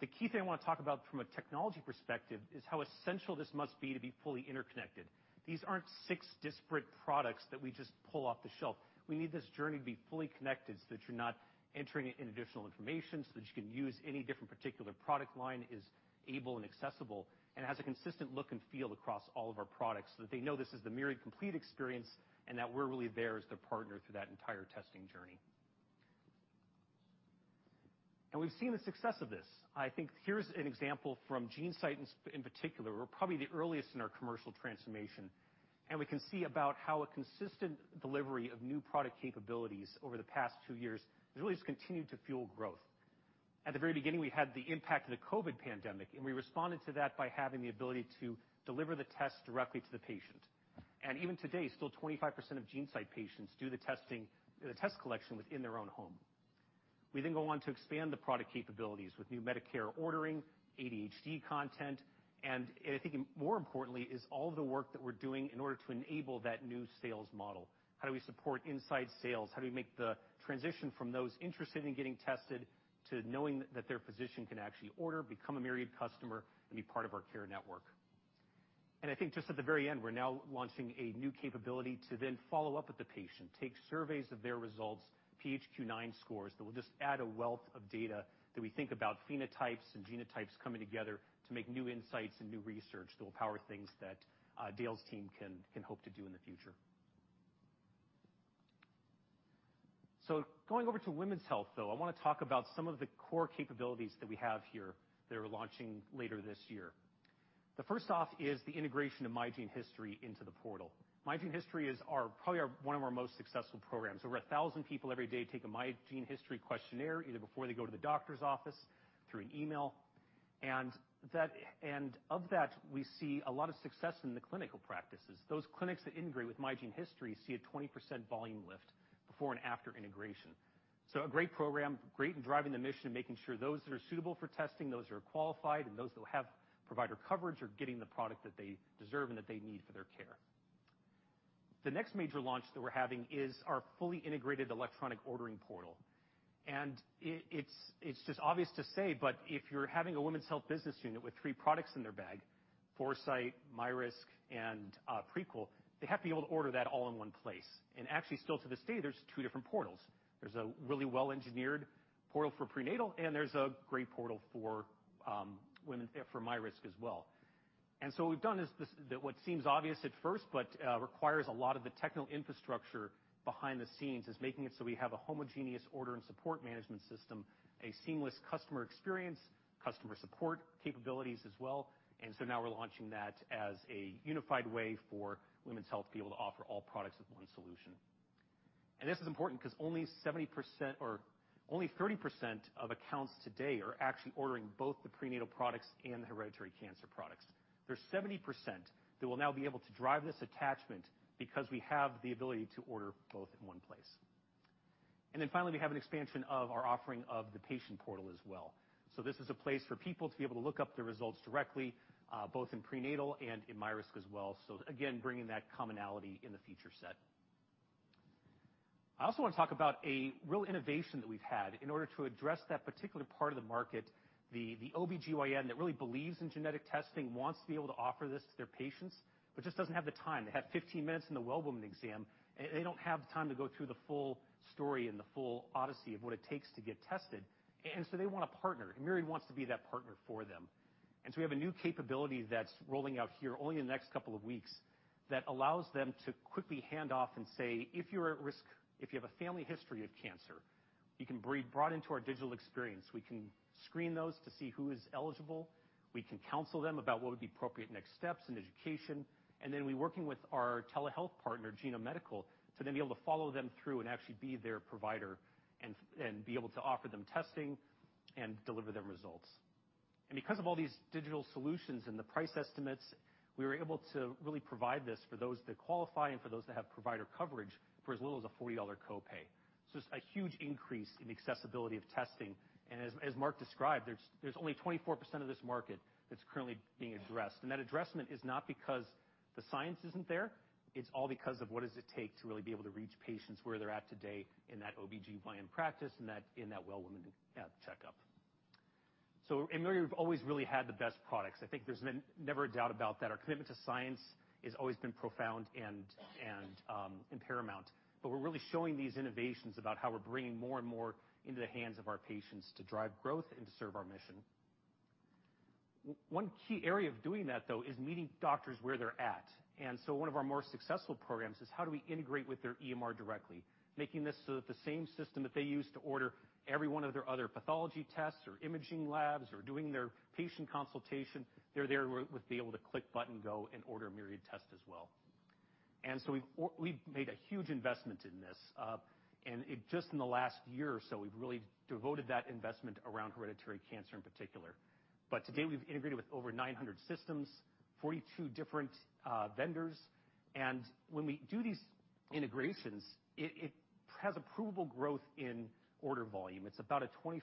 S14: The key thing I want to talk about from a technology perspective is how essential this must be to be fully interconnected. These aren't six disparate products that we just pull off the shelf. We need this journey to be fully connected so that you're not entering in additional information, so that you can use any different particular product line, is able and accessible, and has a consistent look and feel across all of our products, so that they know this is the Myriad Complete experience, and that we're really there as their partner through that entire testing journey. We've seen the success of this. I think, here's an example from GeneSight, in particular. We're probably the earliest in our commercial transformation, and we can see about how a consistent delivery of new product capabilities over the past two years really has continued to fuel growth. At the very beginning, we had the impact of the COVID pandemic, and we responded to that by having the ability to deliver the test directly to the patient. Even today, still 25% of GeneSight patients do the testing, the test collection within their own home. We then go on to expand the product capabilities with new Medicare ordering, ADHD content, and I think more importantly is all the work that we're doing in order to enable that new sales model. How do we support inside sales? How do we make the transition from those interested in getting tested to knowing that their physician can actually order, become a Myriad customer, and be part of our care network? I think just at the very end, we're now launching a new capability to then follow up with the patient, take surveys of their results, PHQ-9 scores, that will just add a wealth of data that we think about phenotypes and genotypes coming together to make new insights and new research that will power things that Dale's team can hope to do in the future. Going over to women's health, though, I want to talk about some of the core capabilities that we have here that are launching later this year. The first off is the integration of myGeneHistory into the portal. myGeneHistory is our, probably our, one of our most successful programs. Over 1,000 people every day take a myGeneHistory questionnaire, either before they go to the doctor's office, through an email. That, of that, we see a lot of success in the clinical practices. Those clinics that integrate with myGeneHistory see a 20% volume lift before and after integration. A great program, great in driving the mission and making sure those that are suitable for testing, those that are qualified, and those that have provider coverage are getting the product that they deserve and that they need for their care. The next major launch that we're having is our fully integrated electronic ordering portal. It's just obvious to say, but if you're having a women's health business unit with three products in their bag, Foresight, MyRisk, and Prequel, they have to be able to order that all in one place. Actually, still to this day, there's two different portals. There's a really well-engineered portal for prenatal, and there's a great portal for women for MyRisk as well. What we've done is what seems obvious at first but requires a lot of the technical infrastructure behind the scenes, is making it so we have a homogeneous order and support management system, a seamless customer experience, customer support capabilities as well. Now we're launching that as a unified way for women's health to be able to offer all products with one solution. This is important because only 70% or only 30% of accounts today are actually ordering both the prenatal products and the hereditary cancer products. There's 70% that will now be able to drive this attachment because we have the ability to order both in one place. Finally, we have an expansion of our offering of the patient portal as well. This is a place for people to be able to look up their results directly, both in prenatal and in MyRisk as well. Again, bringing that commonality in the feature set. I also want to talk about a real innovation that we've had in order to address that particular part of the market, the OB-GYN that really believes in genetic testing, wants to be able to offer this to their patients, but just doesn't have the time. They have 15 minutes in the well-woman exam, and they don't have the time to go through the full story and the full odyssey of what it takes to get tested. They want a partner, and Myriad wants to be that partner for them. We have a new capability that's rolling out here only in the next couple of weeks that allows them to quickly hand off and say, "If you're at risk, if you have a family history of cancer, you can be brought into our digital experience." We can screen those to see who is eligible. We can counsel them about what would be appropriate next steps in education. We're working with our telehealth partner, Genome Medical, to then be able to follow them through and actually be their provider and be able to offer them testing and deliver them results. Because of all these digital solutions and the price estimates, we were able to really provide this for those that qualify and for those that have provider coverage for as little as a $40 copay. It's a huge increase in accessibility of testing. As Mark described, there's only 24% of this market that's currently being addressed. That addressment is not because the science isn't there. It's all because of what it takes to really be able to reach patients where they're at today in that OB-GYN practice and that well woman checkup. At Myriad, we've always really had the best products. I think there's been never a doubt about that. Our commitment to science has always been profound and paramount. We're really showing these innovations about how we're bringing more and more into the hands of our patients to drive growth and to serve our mission. One key area of doing that, though, is meeting doctors where they're at. One of our more successful programs is how do we integrate with their EMR directly, making this so that the same system that they use to order every one of their other pathology tests or imaging labs or doing their patient consultation would be able to click button, go, and order a Myriad test as well. We've made a huge investment in this. Just in the last year or so, we've really devoted that investment around hereditary cancer in particular. To date, we've integrated with over 900 systems, 42 different vendors. When we do these integrations, it has a provable growth in order volume. It's about a 25%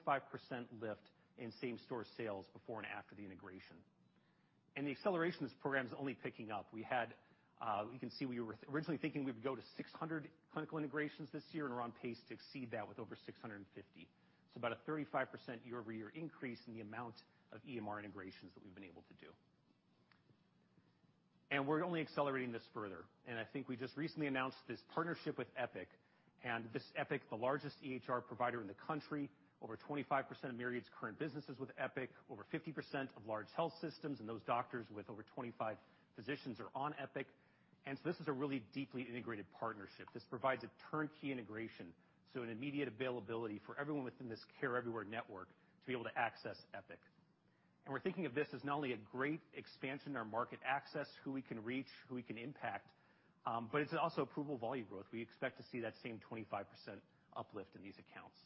S14: lift in same-store sales before and after the integration. The acceleration of this program is only picking up. We were originally thinking we would go to 600 clinical integrations this year, and we're on pace to exceed that with over 650. About a 35% year-over-year increase in the amount of EMR integrations that we've been able to do. We're only accelerating this further. I think we just recently announced this partnership with Epic. This Epic, the largest EHR provider in the country, over 25% of Myriad's current business is with Epic, over 50% of large health systems, and those doctors with over 25 physicians are on Epic. This is a really deeply integrated partnership. This provides a turnkey integration, so an immediate availability for everyone within this Care Everywhere network to be able to access Epic. We're thinking of this as not only a great expansion in our market access, who we can reach, who we can impact, but it's also approvable volume growth. We expect to see that same 25% uplift in these accounts.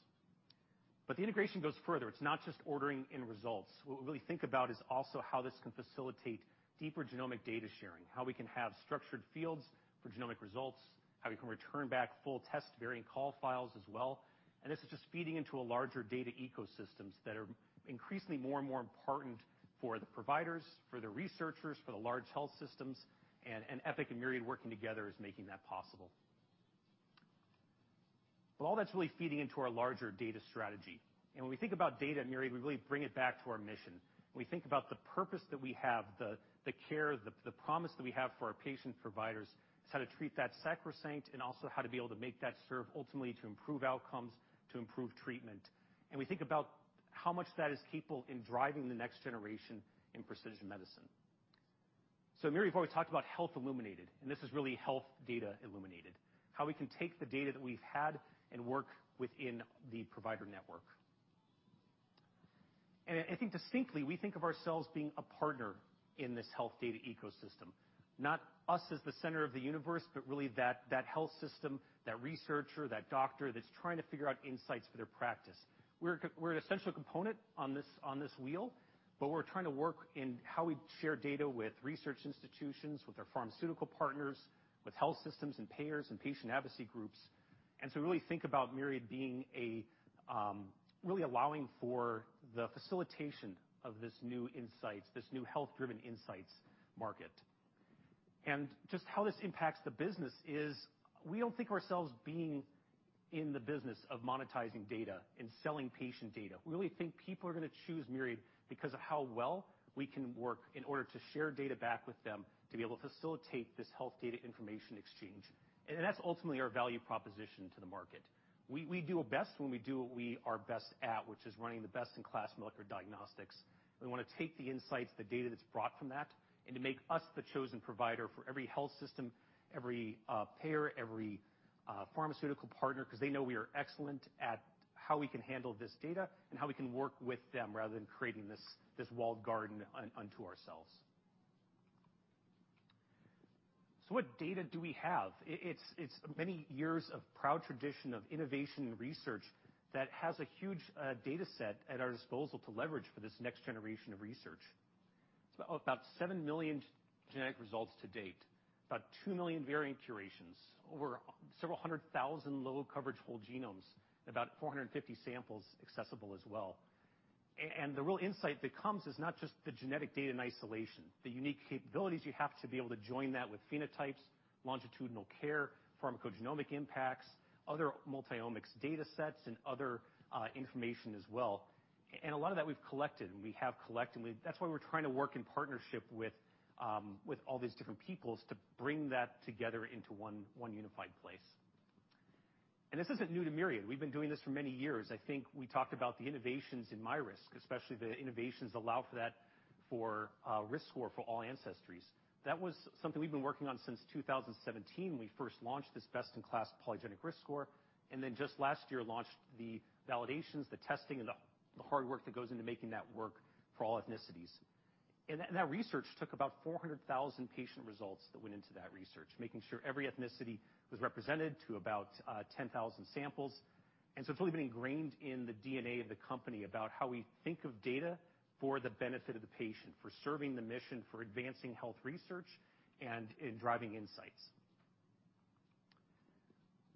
S14: The integration goes further. It's not just ordering and results. What we really think about is also how this can facilitate deeper genomic data sharing, how we can have structured fields for genomic results, how we can return back full VCF files as well. This is just feeding into a larger data ecosystems that are increasingly more and more important for the providers, for the researchers, for the large health systems. Epic and Myriad working together is making that possible. All that's really feeding into our larger data strategy. When we think about data at Myriad, we really bring it back to our mission. We think about the purpose that we have, the care, the promise that we have for our patient providers, is how to treat that sacrosanct and also how to be able to make that serve ultimately to improve outcomes, to improve treatment. We think about how much that is capable in driving the next generation in precision medicine. At Myriad, we've always talked about health illuminated, and this is really health data illuminated. How we can take the data that we've had and work within the provider network. I think distinctly, we think of ourselves being a partner in this health data ecosystem, not us as the center of the universe, but really that health system, that researcher, that doctor that's trying to figure out insights for their practice. We're an essential component on this wheel, but we're trying to work in how we share data with research institutions, with our pharmaceutical partners, with health systems and payers and patient advocacy groups. We really think about Myriad being a really allowing for the facilitation of this new insights, this new health-driven insights market. Just how this impacts the business is we don't think of ourselves being in the business of monetizing data and selling patient data. We really think people are going to choose Myriad because of how well we can work in order to share data back with them to be able to facilitate this health data information exchange. That's ultimately our value proposition to the market. We do our best when we do what we are best at, which is running the best-in-class molecular diagnostics. We want to take the insights, the data that's brought from that, and to make us the chosen provider for every health system, every payer, every pharmaceutical partner, because they know we are excellent at how we can handle this data and how we can work with them rather than creating this walled garden unto ourselves. What data do we have? It's many years of proud tradition of innovation and research that has a huge data set at our disposal to leverage for this next generation of research. It's about seven million genetic results to date, about two million variant curations, over several hundred thousand low-coverage whole genomes, about 450 samples accessible as well. The real insight that comes is not just the genetic data in isolation, the unique capabilities you have to be able to join that with phenotypes, longitudinal care, pharmacogenomic impacts, other multiomics data sets, and other information as well. A lot of that we've collected and we have collected. That's why we're trying to work in partnership with all these different people to bring that together into one unified place. This isn't new to Myriad. We've been doing this for many years. I think we talked about the innovations in MyRisk, especially the innovations that allow for that risk score for all ancestries. That was something we've been working on since 2017 when we first launched this best-in-class polygenic risk score, and then just last year launched the validations, the testing, and the hard work that goes into making that work for all ethnicities. That research took about 400,000 patient results that went into that research, making sure every ethnicity was represented to about 10,000 samples. It's really been ingrained in the DNA of the company about how we think of data for the benefit of the patient, for serving the mission, for advancing health research, and in driving insights.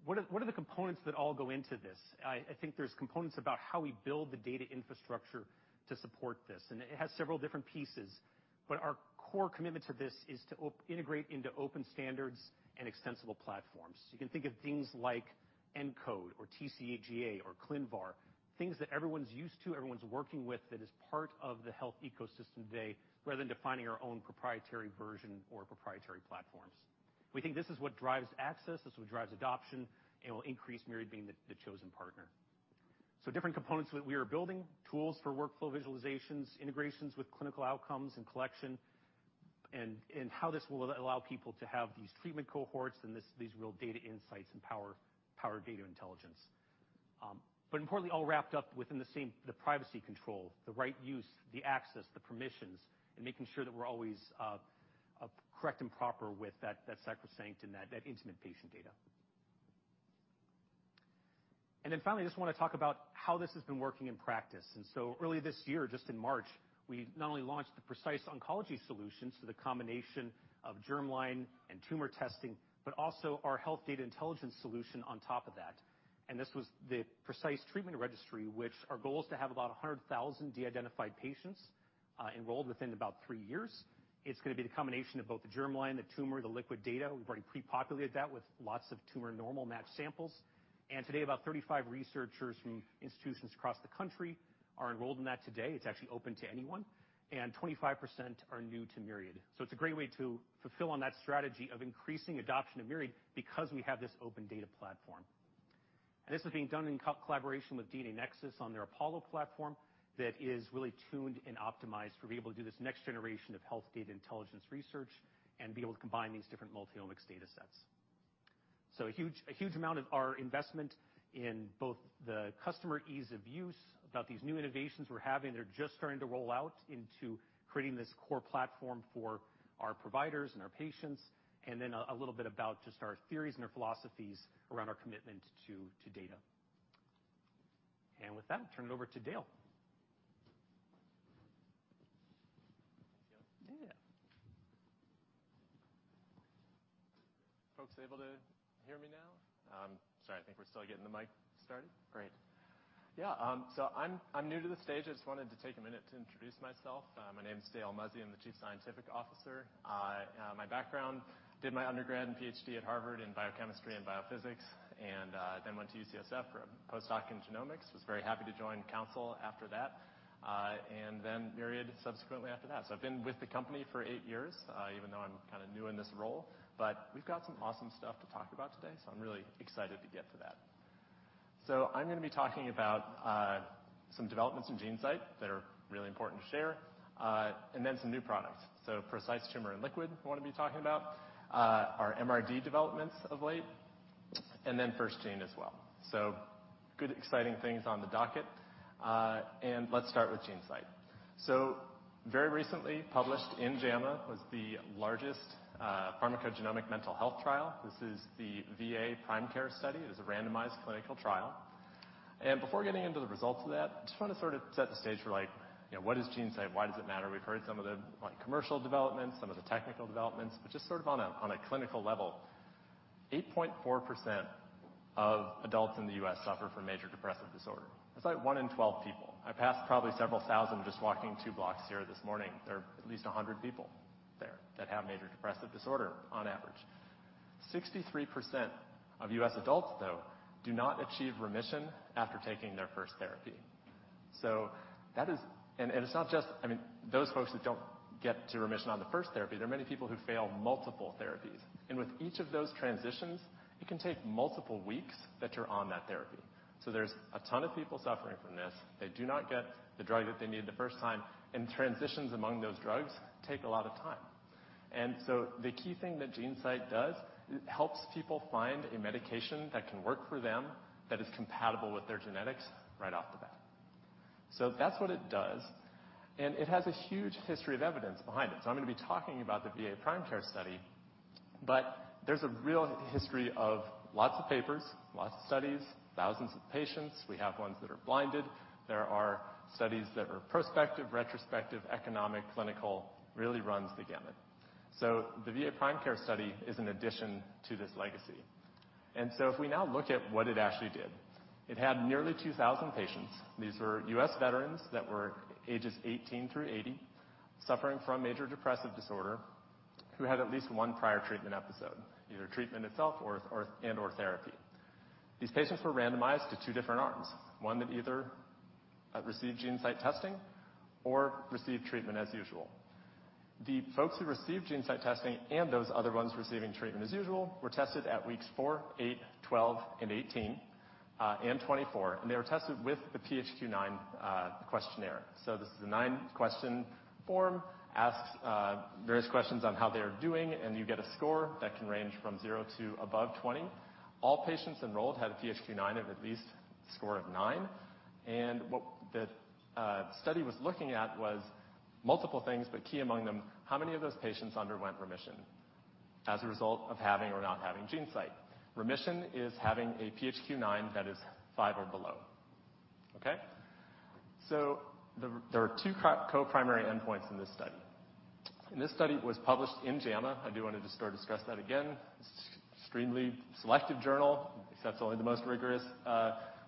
S14: What are the components that all go into this? I think there's components about how we build the data infrastructure to support this, and it has several different pieces, but our core commitment to this is to integrate into open standards and extensible platforms. You can think of things like ENCODE or TCGA or ClinVar, things that everyone's used to, everyone's working with that is part of the health ecosystem today, rather than defining our own proprietary version or proprietary platforms. We think this is what drives access, this is what drives adoption, and will increase Myriad being the chosen partner. Different components that we are building, tools for workflow visualizations, integrations with clinical outcomes and collection, and how this will allow people to have these treatment cohorts and these real data insights and power data intelligence. Importantly, all wrapped up within the same, the privacy control, the right use, the access, the permissions, and making sure that we're always correct and proper with that sacrosanct and that intimate patient data. Finally, I just wanna talk about how this has been working in practice. Early this year, just in March, we not only launched the Precise oncology solutions, so the combination of germline and tumor testing, but also our health data intelligence solution on top of that. This was the Precise Treatment Registry, which our goal is to have about 100,000 de-identified patients enrolled within about three years. It's gonna be the combination of both the germline, the tumor, the liquid data. We've already pre-populated that with lots of tumor-normal matched samples. Today, about 35 researchers from institutions across the country are enrolled in that today. It's actually open to anyone, and 25% are new to Myriad. It's a great way to fulfill on that strategy of increasing adoption of Myriad because we have this open data platform. This is being done in collaboration with DNAnexus on their Apollo platform that is really tuned and optimized to be able to do this next generation of health data intelligence research and be able to combine these different multiomics data sets. A huge amount of our investment in both the customer ease of use, about these new innovations we're having, they're just starting to roll out into creating this core platform for our providers and our patients, and then a little bit about just our theories and our philosophies around our commitment to data. With that, I'll turn it over to Dale.
S15: Yeah. Folks, able to hear me now? I'm sorry. I think we're still getting the mic started. Great. Yeah. I'm new to the stage. I just wanted to take a minute to introduce myself. My name is Dale Muzzey. I'm the Chief Scientific Officer. My background. Did my undergrad and PhD at Harvard in biochemistry and biophysics, and then went to UCSF for a postdoc in genomics. Was very happy to join Counsyl after that, and then Myriad subsequently after that. I've been with the company for eight years, even though I'm kind of new in this role. We've got some awesome stuff to talk about today, I'm really excited to get to that. I'm gonna be talking about some developments in GeneSight that are really important to share, and then some new products. Precise Tumor and Liquid, I wanna be talking about our MRD developments of late, and then FirstGene as well. Good, exciting things on the docket. Let's start with GeneSight. Very recently published in JAMA was the largest, pharmacogenomic mental health trial. This is the VA PRIME Care Study. It was a randomized clinical trial. Before getting into the results of that, just want to sort of set the stage for like, you know, what is GeneSight? Why does it matter? We've heard some of the, like, commercial developments, some of the technical developments, but just sort of on a clinical level. 8.4% of adults in the U.S. suffer from major depressive disorder. That's like one in twelve people. I passed probably several thousand just walking two blocks here this morning. There are at least 100 people there that have major depressive disorder on average. 63% of U.S. adults, though, do not achieve remission after taking their first therapy. It's not just, I mean, those folks that don't get to remission on the first therapy, there are many people who fail multiple therapies. With each of those transitions, it can take multiple weeks that you're on that therapy. There's a ton of people suffering from this. They do not get the drug that they need the first time, and transitions among those drugs take a lot of time. The key thing that GeneSight does, it helps people find a medication that can work for them that is compatible with their genetics right off the bat. That's what it does. It has a huge history of evidence behind it. I'm gonna be talking about the VA PRIME Care Study. There's a real history of lots of papers, lots of studies, thousands of patients. We have ones that are blinded. There are studies that are prospective, retrospective, economic, clinical, really runs the gamut. The VA PRIME Care Study is an addition to this legacy. If we now look at what it actually did. It had nearly 2,000 patients. These were U.S. veterans that were ages 18 through 80, suffering from major depressive disorder, who had at least one prior treatment episode, either treatment itself or and/or therapy. These patients were randomized to two different arms, one that either received GeneSight testing or received treatment as usual. The folks who received GeneSight testing and those other ones receiving treatment as usual were tested at weeks four, eight, 12, and 18, and 24. They were tested with the PHQ-9 questionnaire. This is a nine-question form, asks various questions on how they are doing, and you get a score that can range from zero to above 20. All patients enrolled had a PHQ-9 score of at least nine. What the study was looking at was multiple things, but key among them, how many of those patients underwent remission as a result of having or not having GeneSight? Remission is having a PHQ-9 that is five or below. There are two co-primary endpoints in this study. This study was published in JAMA. I do wanna just sort of stress that again. Extremely selective journal. Accepts only the most rigorous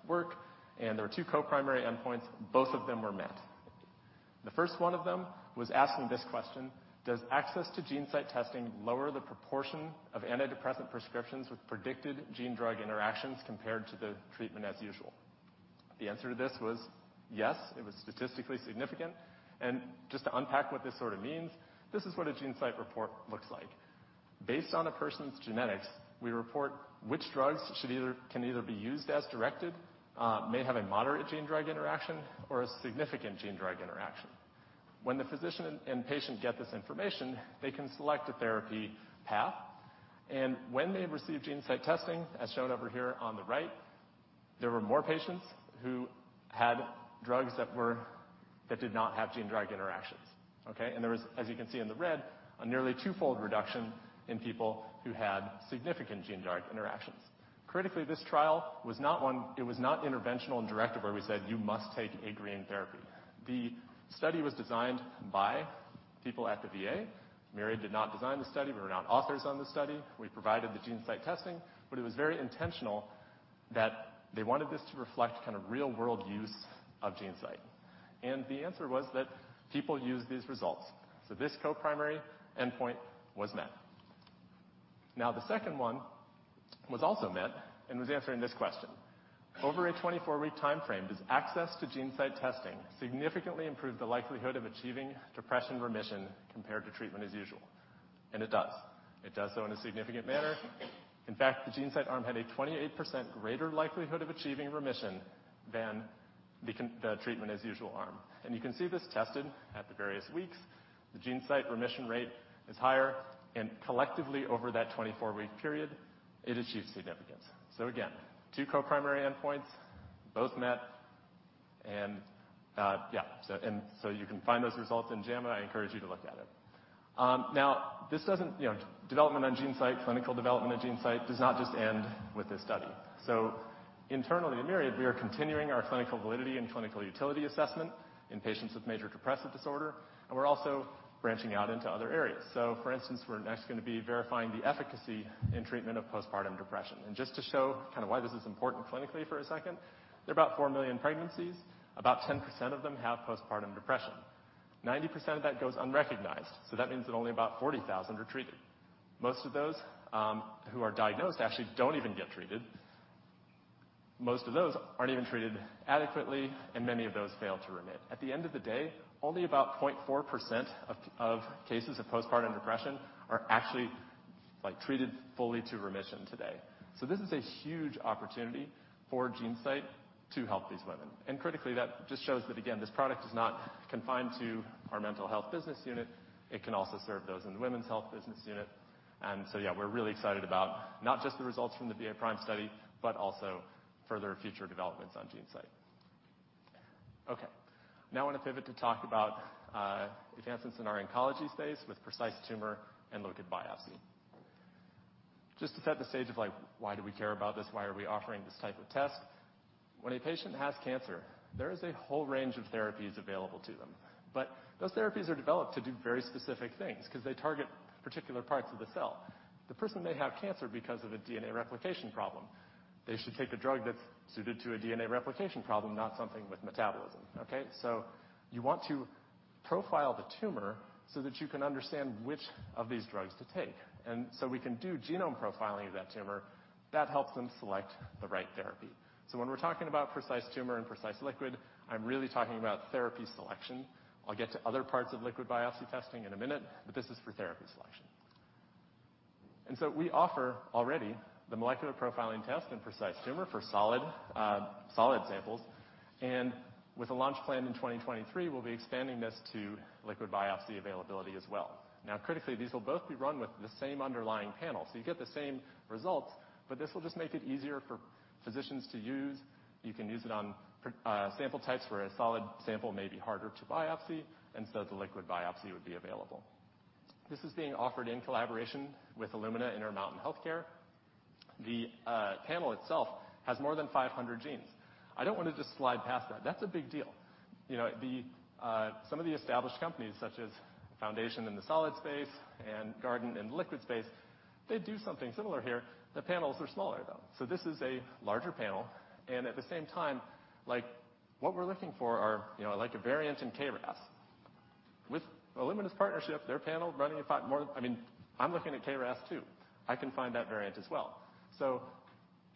S15: work. There were two co-primary endpoints. Both of them were met. The first one of them was asking this question: Does access to GeneSight testing lower the proportion of antidepressant prescriptions with predicted gene-drug interactions compared to the treatment as usual? The answer to this was yes. It was statistically significant. Just to unpack what this sort of means, this is what a GeneSight report looks like. Based on a person's genetics, we report which drugs can either be used as directed, may have a moderate gene-drug interaction or a significant gene-drug interaction. When the physician and patient get this information, they can select a therapy path, and when they receive GeneSight testing, as shown over here on the right, there were more patients who had drugs that did not have gene-drug interactions. Okay? There was, as you can see in the red, a nearly twofold reduction in people who had significant gene-drug interactions. Critically, this trial was not interventional and directive, where we said, "You must take a green in therapy." The study was designed by people at the VA. Myriad did not design the study. We were not authors on the study. We provided the GeneSight testing, but it was very intentional that they wanted this to reflect kind of real-world use of GeneSight. The answer was that people used these results. This co-primary endpoint was met. Now, the second one was also met and was answering this question. Over a 24-week time frame, does access to GeneSight testing significantly improve the likelihood of achieving depression remission compared to treatment as usual? It does. It does so in a significant manner. In fact, the GeneSight arm had a 28% greater likelihood of achieving remission than the treatment as usual arm. You can see this tested at the various weeks. The GeneSight remission rate is higher, and collectively, over that 24-week period, it achieved significance. Again, two co-primary endpoints, both met. You can find those results in JAMA. I encourage you to look at it. Development on GeneSight, clinical development on GeneSight does not just end with this study. Internally at Myriad, we are continuing our clinical validity and clinical utility assessment in patients with major depressive disorder, and we're also branching out into other areas. For instance, we're next gonna be verifying the efficacy in treatment of postpartum depression. Just to show kind of why this is important clinically for a second, there are about four million pregnancies. About 10% of them have postpartum depression. 90% of that goes unrecognized. That means that only about 40,000 are treated. Most of those who are diagnosed actually don't even get treated. Most of those aren't even treated adequately, and many of those fail to remit. At the end of the day, only about 0.4% of cases of postpartum depression are actually, like, treated fully to remission today. This is a huge opportunity for GeneSight to help these women. Critically, that just shows that, again, this product is not confined to our mental health business unit. It can also serve those in the women's health business unit. Yeah, we're really excited about not just the results from the VA PRIME Study, but also further future developments on Gene Sight. Okay. Now I wanna pivot to talk about advancements in our oncology space with Precise Tumor and Precise Liquid. Just to set the stage of like, why do we care about this? Why are we offering this type of test? When a patient has cancer, there is a whole range of therapies available to them. Those therapies are developed to do very specific things 'cause they target particular parts of the cell. The person may have cancer because of a DNA replication problem. They should take a drug that's suited to a DNA replication problem, not something with metabolism. Okay? You want to profile the tumor so that you can understand which of these drugs to take. We can do genomic profiling of that tumor. That helps them select the right therapy. When we're talking about Precise Tumor and Precise Liquid, I'm really talking about therapy selection. I'll get to other parts of liquid biopsy testing in a minute, but this is for therapy selection. We offer already the molecular profiling test in Precise Tumor for solid samples. With a launch planned in 2023, we'll be expanding this to liquid biopsy availability as well. Now, critically, these will both be run with the same underlying panel. You get the same results, but this will just make it easier for physicians to use. You can use it on sample types where a solid sample may be harder to biopsy, and the liquid biopsy would be available. This is being offered in collaboration with Illumina and Intermountain Healthcare. The panel itself has more than 500 genes. I don't wanna just slide past that. That's a big deal. You know, the some of the established companies such as Foundation in the solid space and Guardant in the liquid space, they do something similar here. The panels are smaller though. This is a larger panel and at the same time, like, what we're looking for are, you know, like a variant in KRAS. With Illumina's partnership, I mean, I'm looking at KRAS too, I can find that variant as well.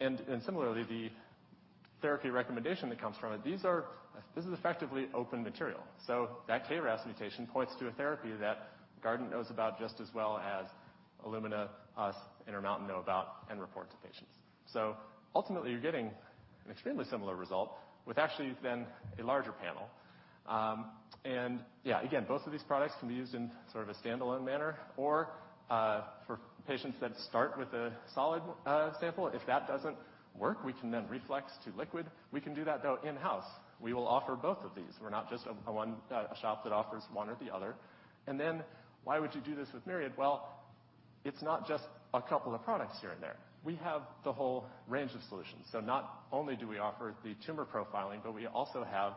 S15: And similarly, the therapy recommendation that comes from it, this is effectively open material. That KRAS mutation points to a therapy that Guardant knows about just as well as Illumina, us, Intermountain know about and report to patients. Ultimately, you're getting an extremely similar result with actually then a larger panel. Yeah, again, both of these products can be used in sort of a standalone manner or for patients that start with a solid sample. If that doesn't work, we can then reflex to liquid. We can do that though in-house. We will offer both of these. We're not just a shop that offers one or the other. Then why would you do this with Myriad? Well, it's not just a couple of products here and there. We have the whole range of solutions. Not only do we offer the tumor profiling, but we also have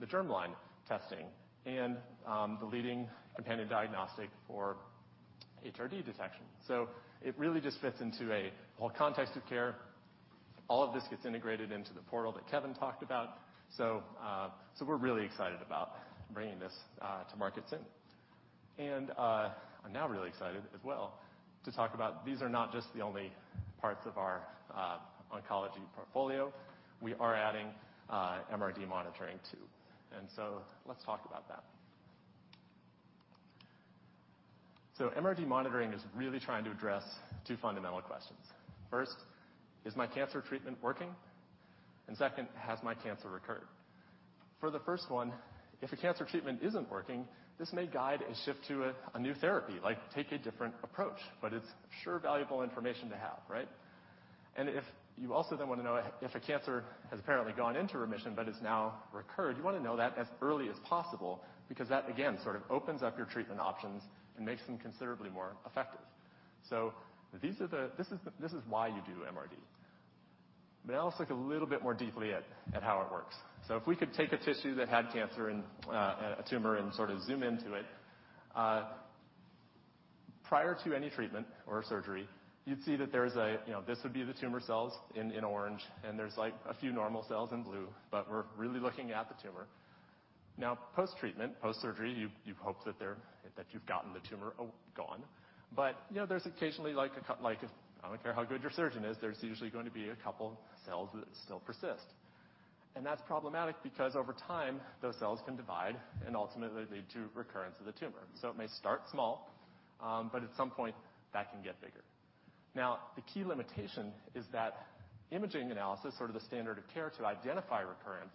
S15: the germline testing and the leading companion diagnostic for HRD detection. It really just fits into a whole context of care. All of this gets integrated into the portal that Kevin talked about. We're really excited about bringing this to market soon. I'm now really excited as well to talk about these are not just the only parts of our oncology portfolio. We are adding MRD monitoring too. Let's talk about that. MRD monitoring is really trying to address two fundamental questions. First, is my cancer treatment working? Second, has my cancer recurred? For the first one, if a cancer treatment isn't working, this may guide a shift to a new therapy, like take a different approach, but it's sure valuable information to have, right? If you also then wanna know if a cancer has apparently gone into remission but has now recurred, you wanna know that as early as possible because that again, sort of opens up your treatment options and makes them considerably more effective. This is why you do MRD. Now let's look a little bit more deeply at how it works. If we could take a tissue that had cancer and a tumor and sort of zoom into it. Prior to any treatment or surgery, you'd see that there's you know this would be the tumor cells in orange, and there's like a few normal cells in blue, but we're really looking at the tumor. Now, post-treatment, post-surgery, you've hoped that you've gotten the tumor gone. You know, there's occasionally like I don't care how good your surgeon is, there's usually going to be a couple cells that still persist. That's problematic because over time, those cells can divide and ultimately lead to recurrence of the tumor. It may start small, but at some point, that can get bigger. Now, the key limitation is that imaging analysis or the standard of care to identify recurrence,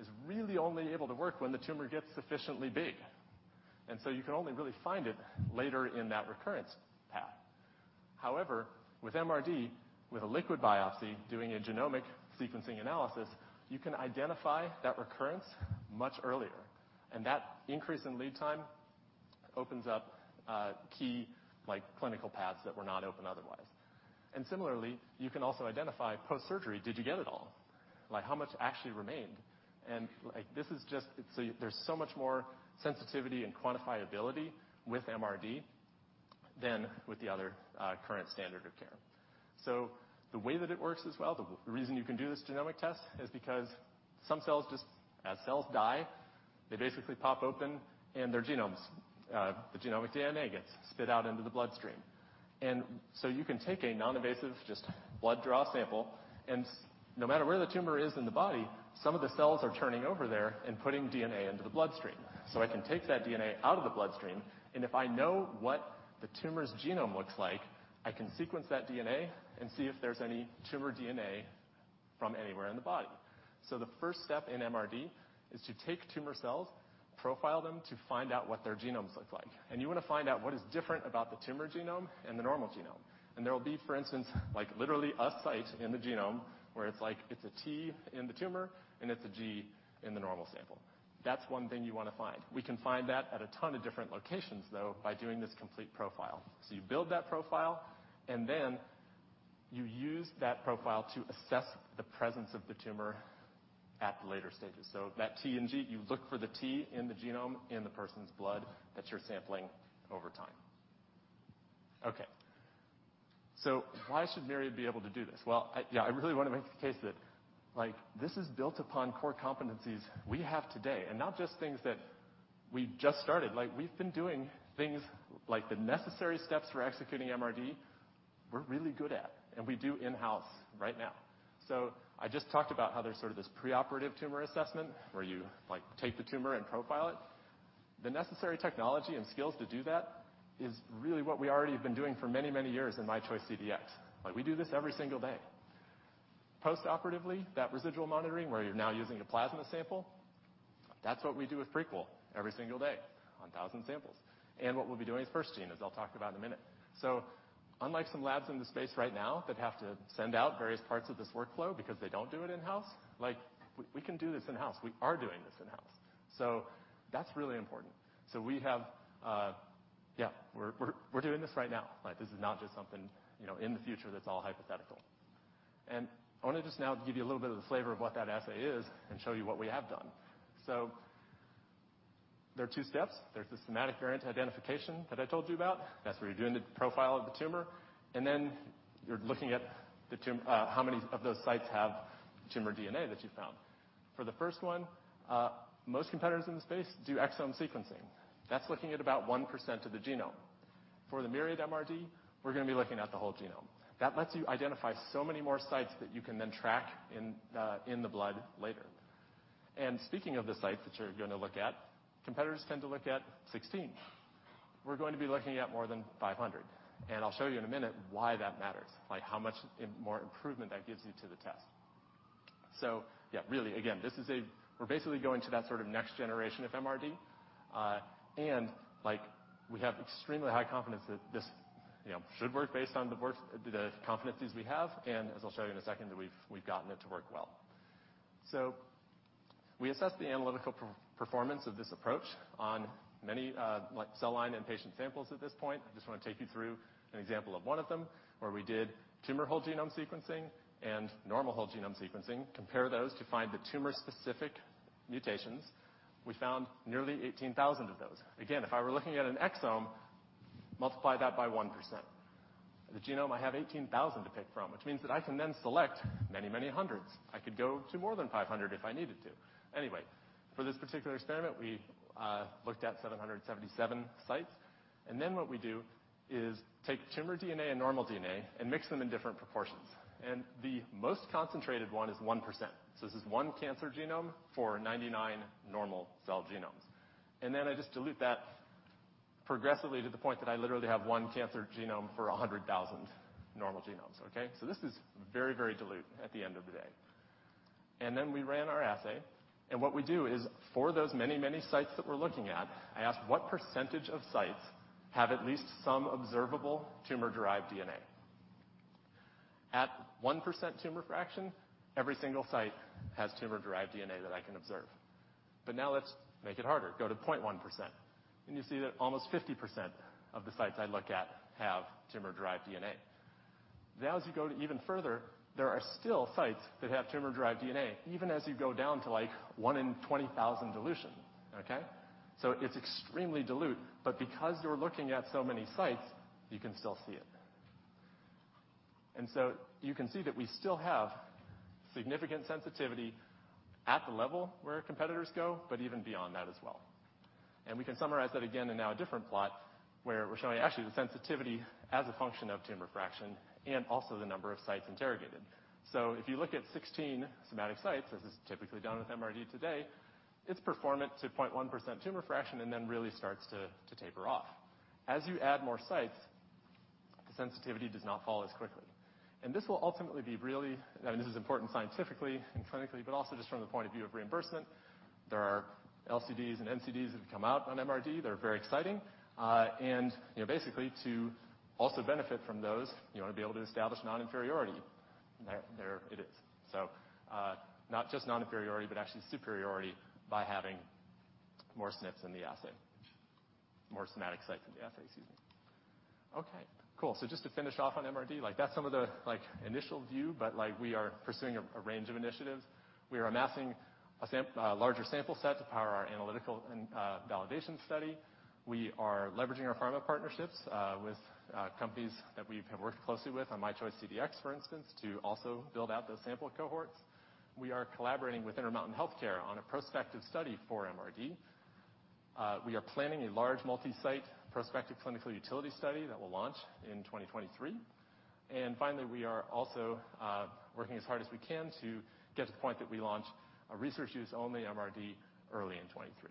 S15: is really only able to work when the tumor gets sufficiently big. You can only really find it later in that recurrence path. However, with MRD, with a liquid biopsy doing a genomic sequencing analysis, you can identify that recurrence much earlier, and that increase in lead time opens up key, like, clinical paths that were not open otherwise. You can also identify post-surgery, did you get it all? Like, how much actually remained? There's so much more sensitivity and quantifiability with MRD than with the other, current standard of care. The way that it works as well, the reason you can do this genomic test is because some cells, as cells die, they basically pop open and their genomes, the genomic DNA gets spit out into the bloodstream. You can take a non-invasive just blood draw sample, and no matter where the tumor is in the body, some of the cells are turning over there and putting DNA into the bloodstream. I can take that DNA out of the bloodstream, and if I know what the tumor's genome looks like, I can sequence that DNA and see if there's any tumor DNA from anywhere in the body. The first step in MRD is to take tumor cells, profile them to find out what their genomes look like. You wanna find out what is different about the tumor genome and the normal genome. There will be, for instance, like literally a site in the genome where it's like it's a T in the tumor and it's a G in the normal sample. That's one thing you wanna find. We can find that at a ton of different locations, though, by doing this complete profile. You build that profile, and then you use that profile to assess the presence of the tumor at the later stages. That T and G, you look for the T in the genome in the person's blood that you're sampling over time. Okay. Why should Myriad be able to do this? Well, I, yeah, I really wanna make the case that, like, this is built upon core competencies we have today, and not just things that we just started. Like, we've been doing things like the necessary steps for executing MRD. We're really good at, and we do in-house right now. I just talked about how there's sort of this preoperative tumor assessment where you, like, take the tumor and profile it. The necessary technology and skills to do that is really what we already have been doing for many, many years in MyChoice CDx. Like, we do this every single day. Post-operatively, that residual monitoring where you're now using a plasma sample, that's what we do with Prequel every single day on thousand samples. What we'll be doing with FirstGene, as I'll talk about in a minute. Unlike some labs in the space right now that have to send out various parts of this workflow because they don't do it in-house, like we can do this in-house. We are doing this in-house. That's really important. We have, yeah, we're doing this right now. Like, this is not just something, you know, in the future that's all hypothetical. I wanna just now give you a little bit of the flavor of what that assay is and show you what we have done. There are two steps. There's the somatic variant identification that I told you about. That's where you're doing the profile of the tumor, and then you're looking at how many of those sites have tumor DNA that you found. For the first one, most competitors in the space do exome sequencing. That's looking at about 1% of the genome. For the Myriad MRD, we're gonna be looking at the whole genome. That lets you identify so many more sites that you can then track in the blood later. Speaking of the sites that you're gonna look at, competitors tend to look at 16. We're going to be looking at more than 500, and I'll show you in a minute why that matters, like how much more improvement that gives you to the test. Yeah, really, again, this is a. We're basically going to that sort of next generation of MRD. Like, we have extremely high confidence that this, you know, should work based on the work, the competencies we have, and as I'll show you in a second, that we've gotten it to work well. We assessed the analytical performance of this approach on many, like cell line and patient samples at this point. I just wanna take you through an example of one of them, where we did tumor whole genome sequencing and normal whole genome sequencing. Compare those to find the tumor specific mutations. We found nearly 18,000 of those. Again, if I were looking at an exome, multiply that by 1%. The genome I have 18,000 to pick from, which means that I can then select many, many hundreds. I could go to more than 500 if I needed to. Anyway, for this particular experiment, we looked at 777 sites, and then what we do is take tumor DNA and normal DNA and mix them in different proportions. The most concentrated one is 1%. This is one cancer genome for 99 normal cell genomes. Then I just dilute that progressively to the point that I literally have one cancer genome for 100,000 normal genomes. This is very, very dilute at the end of the day. Then we ran our assay, and what we do is, for those many, many sites that we're looking at, I ask what percentage of sites have at least some observable tumor-derived DNA. At 1% tumor fraction, every single site has tumor-derived DNA that I can observe. Now let's make it harder. Go to 0.1%, and you see that almost 50% of the sites I look at have tumor-derived DNA. Now, as you go to even further, there are still sites that have tumor-derived DNA, even as you go down to like 1-in-20,000 dilution. Okay? It's extremely dilute, but because you're looking at so many sites, you can still see it. You can see that we still have significant sensitivity at the level where competitors go, but even beyond that as well. We can summarize that again in now a different plot, where we're showing actually the sensitivity as a function of tumor fraction and also the number of sites interrogated. If you look at 16 somatic sites, as is typically done with MRD today, it's performant to 0.1% tumor fraction and then really starts to taper off. As you add more sites, the sensitivity does not fall as quickly, and this will ultimately be really. I mean, this is important scientifically and clinically, but also just from the point of view of reimbursement. There are LCDs and NCDs that have come out on MRD. They're very exciting. Basically, to also benefit from those, you wanna be able to establish non-inferiority. There it is. Not just non-inferiority, but actually superiority by having more SNPs in the assay--more somatic sites in the assay, excuse me. Okay, cool. Just to finish off on MRD, like that's some of the, like, initial view, but like we are pursuing a range of initiatives. We are amassing a larger sample set to power our analytical and validation study. We are leveraging our pharma partnerships with companies that we have worked closely with on MyChoice CDx, for instance, to also build out those sample cohorts. We are collaborating with Intermountain Healthcare on a prospective study for MRD. We are planning a large multi-site prospective clinical utility study that will launch in 2023. Finally, we are also working as hard as we can to get to the point that we launch a research use only MRD early in 2023.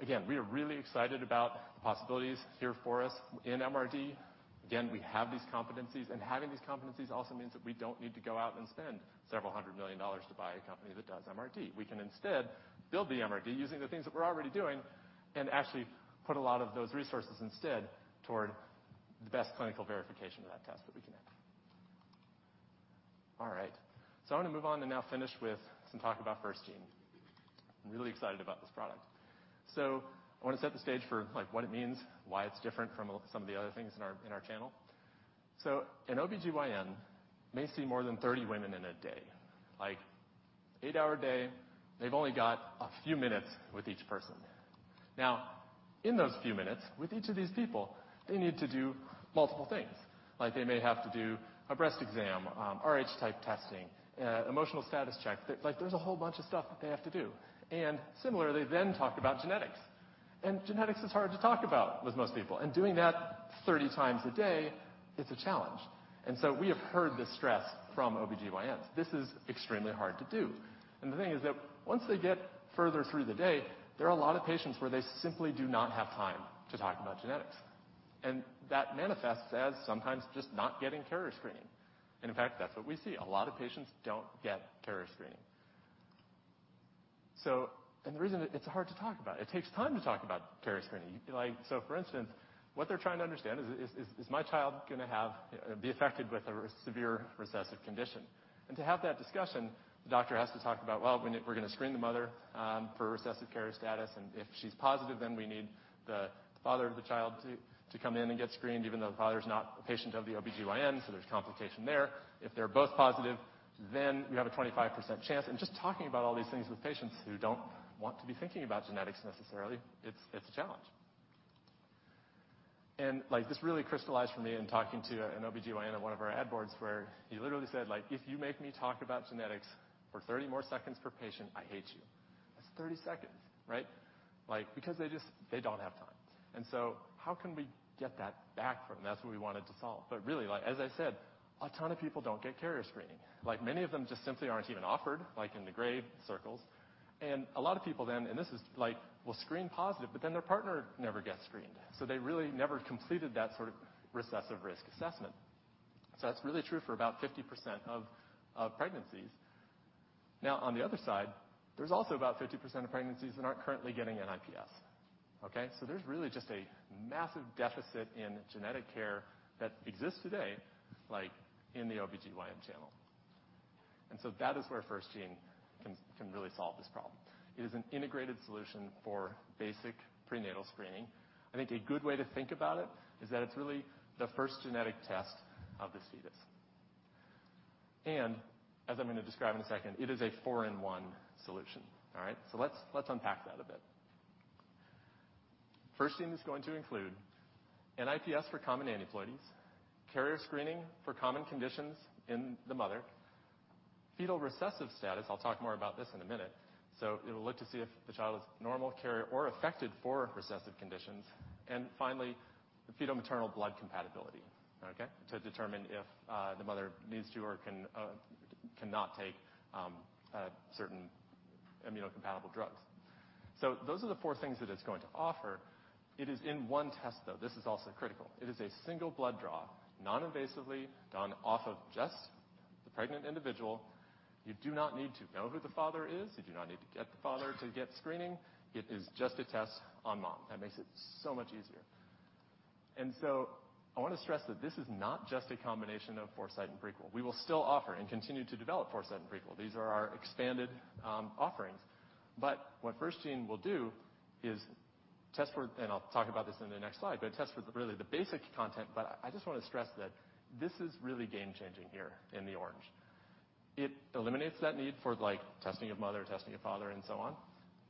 S15: Again, we are really excited about the possibilities here for us in MRD. Again, we have these competencies, and having these competencies also means that we don't need to go out and spend several hundred million dollars to buy a company that does MRD. We can instead build the MRD using the things that we're already doing and actually put a lot of those resources instead toward the best clinical verification of that test that we can have. All right, I'm gonna move on and now finish with some talk about FirstGene. I'm really excited about this product. I wanna set the stage for like what it means, why it's different from some of the other things in our channel. An OB-GYN may see more than 30 women in a day, like eight-hour day. They've only got a few minutes with each person. Now, in those few minutes, with each of these people, they need to do multiple things. Like they may have to do a breast exam, Rh type testing, emotional status check. Like there's a whole bunch of stuff that they have to do, and similarly, then talk about genetics. Genetics is hard to talk about with most people. Doing that 30 times a day, it's a challenge. We have heard this stress from OB-GYNs. This is extremely hard to do. The thing is that once they get further through the day, there are a lot of patients where they simply do not have time to talk about genetics. That manifests as sometimes just not getting carrier screening. In fact, that's what we see. A lot of patients don't get carrier screening. The reason is it's hard to talk about. It takes time to talk about carrier screening. Like, for instance, what they're trying to understand is my child gonna be affected with a severe recessive condition. To have that discussion, the doctor has to talk about, well, we're gonna screen the mother for recessive carrier status, and if she's positive, then we need the father of the child to come in and get screened, even though the father's not a patient of the OB-GYN, so there's complication there. If they're both positive, then you have a 25% chance. Just talking about all these things with patients who don't want to be thinking about genetics necessarily, it's a challenge. Like, this really crystallized for me in talking to an OB-GYN at one of our ad boards where he literally said, like, "If you make me talk about genetics for 30 more seconds per patient, I hate you." That's 30 seconds, right? Like, because they just don't have time. How can we get that back from them? That's what we wanted to solve. Really, like as I said, a ton of people don't get carrier screening. Like, many of them just simply aren't even offered, like in the gray circles. A lot of people then, and this is, like will screen positive, but then their partner never gets screened. They really never completed that sort of recessive risk assessment. That's really true for about 50% of pregnancies. Now, on the other side, there's also about 50% of pregnancies that aren't currently getting a NIPS. Okay? There's really just a massive deficit in genetic care that exists today, like in the OB-GYN channel. That is where FirstGene can really solve this problem. It is an integrated solution for basic prenatal screening. I think a good way to think about it is that it's really the first genetic test of the fetus. As I'm going to describe in a second, it is a four-in-one solution. All right? Let's unpack that a bit. FirstGene is going to include a NIPS for common aneuploidies, carrier screening for common conditions in the mother, fetal recessive status. I'll talk more about this in a minute. It'll look to see if the child is normal, carrier or affected for recessive conditions. Finally, the fetal-maternal blood compatibility to determine if the mother needs to or cannot take certain immunocompatible drugs. Those are the four things that it's going to offer. It is in one test, though. This is also critical. It is a single blood draw, non-invasively done off of just the pregnant individual. You do not need to know who the father is. You do not need to get the father to get screening. It is just a test on mom. That makes it so much easier. I want to stress that this is not just a combination of Foresight and Prequel. We will still offer and continue to develop Foresight and Prequel. These are our expanded offerings. What FirstGene will do is test for, I'll talk about this in the next slide, but test for really the basic content, but I just wanna stress that this is really game-changing here in the arena. It eliminates that need for like testing of mother, testing of father, and so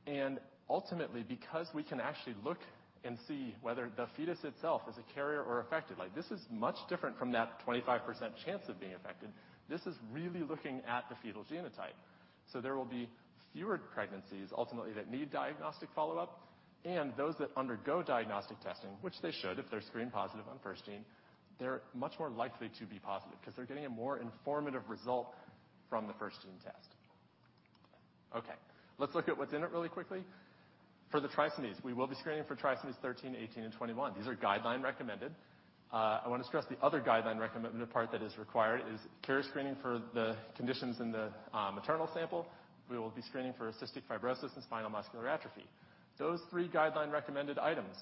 S15: on. Ultimately, because we can actually look and see whether the fetus itself is a carrier or affected, like this is much different from that 25% chance of being affected. This is really looking at the fetal genotype. There will be fewer pregnancies ultimately that need diagnostic follow-up and those that undergo diagnostic testing, which they should if they're screen positive on FirstGene, they're much more likely to be positive because they're getting a more informative result from the FirstGene test. Okay, let's look at what's in it really quickly. For the trisomies, we will be screening for trisomies 13, 18, and 21. These are guideline-recommended. I want to stress the other guideline part that is required is carrier screening for the conditions in the maternal sample. We will be screening for cystic fibrosis and spinal muscular atrophy. Those three guideline-recommended items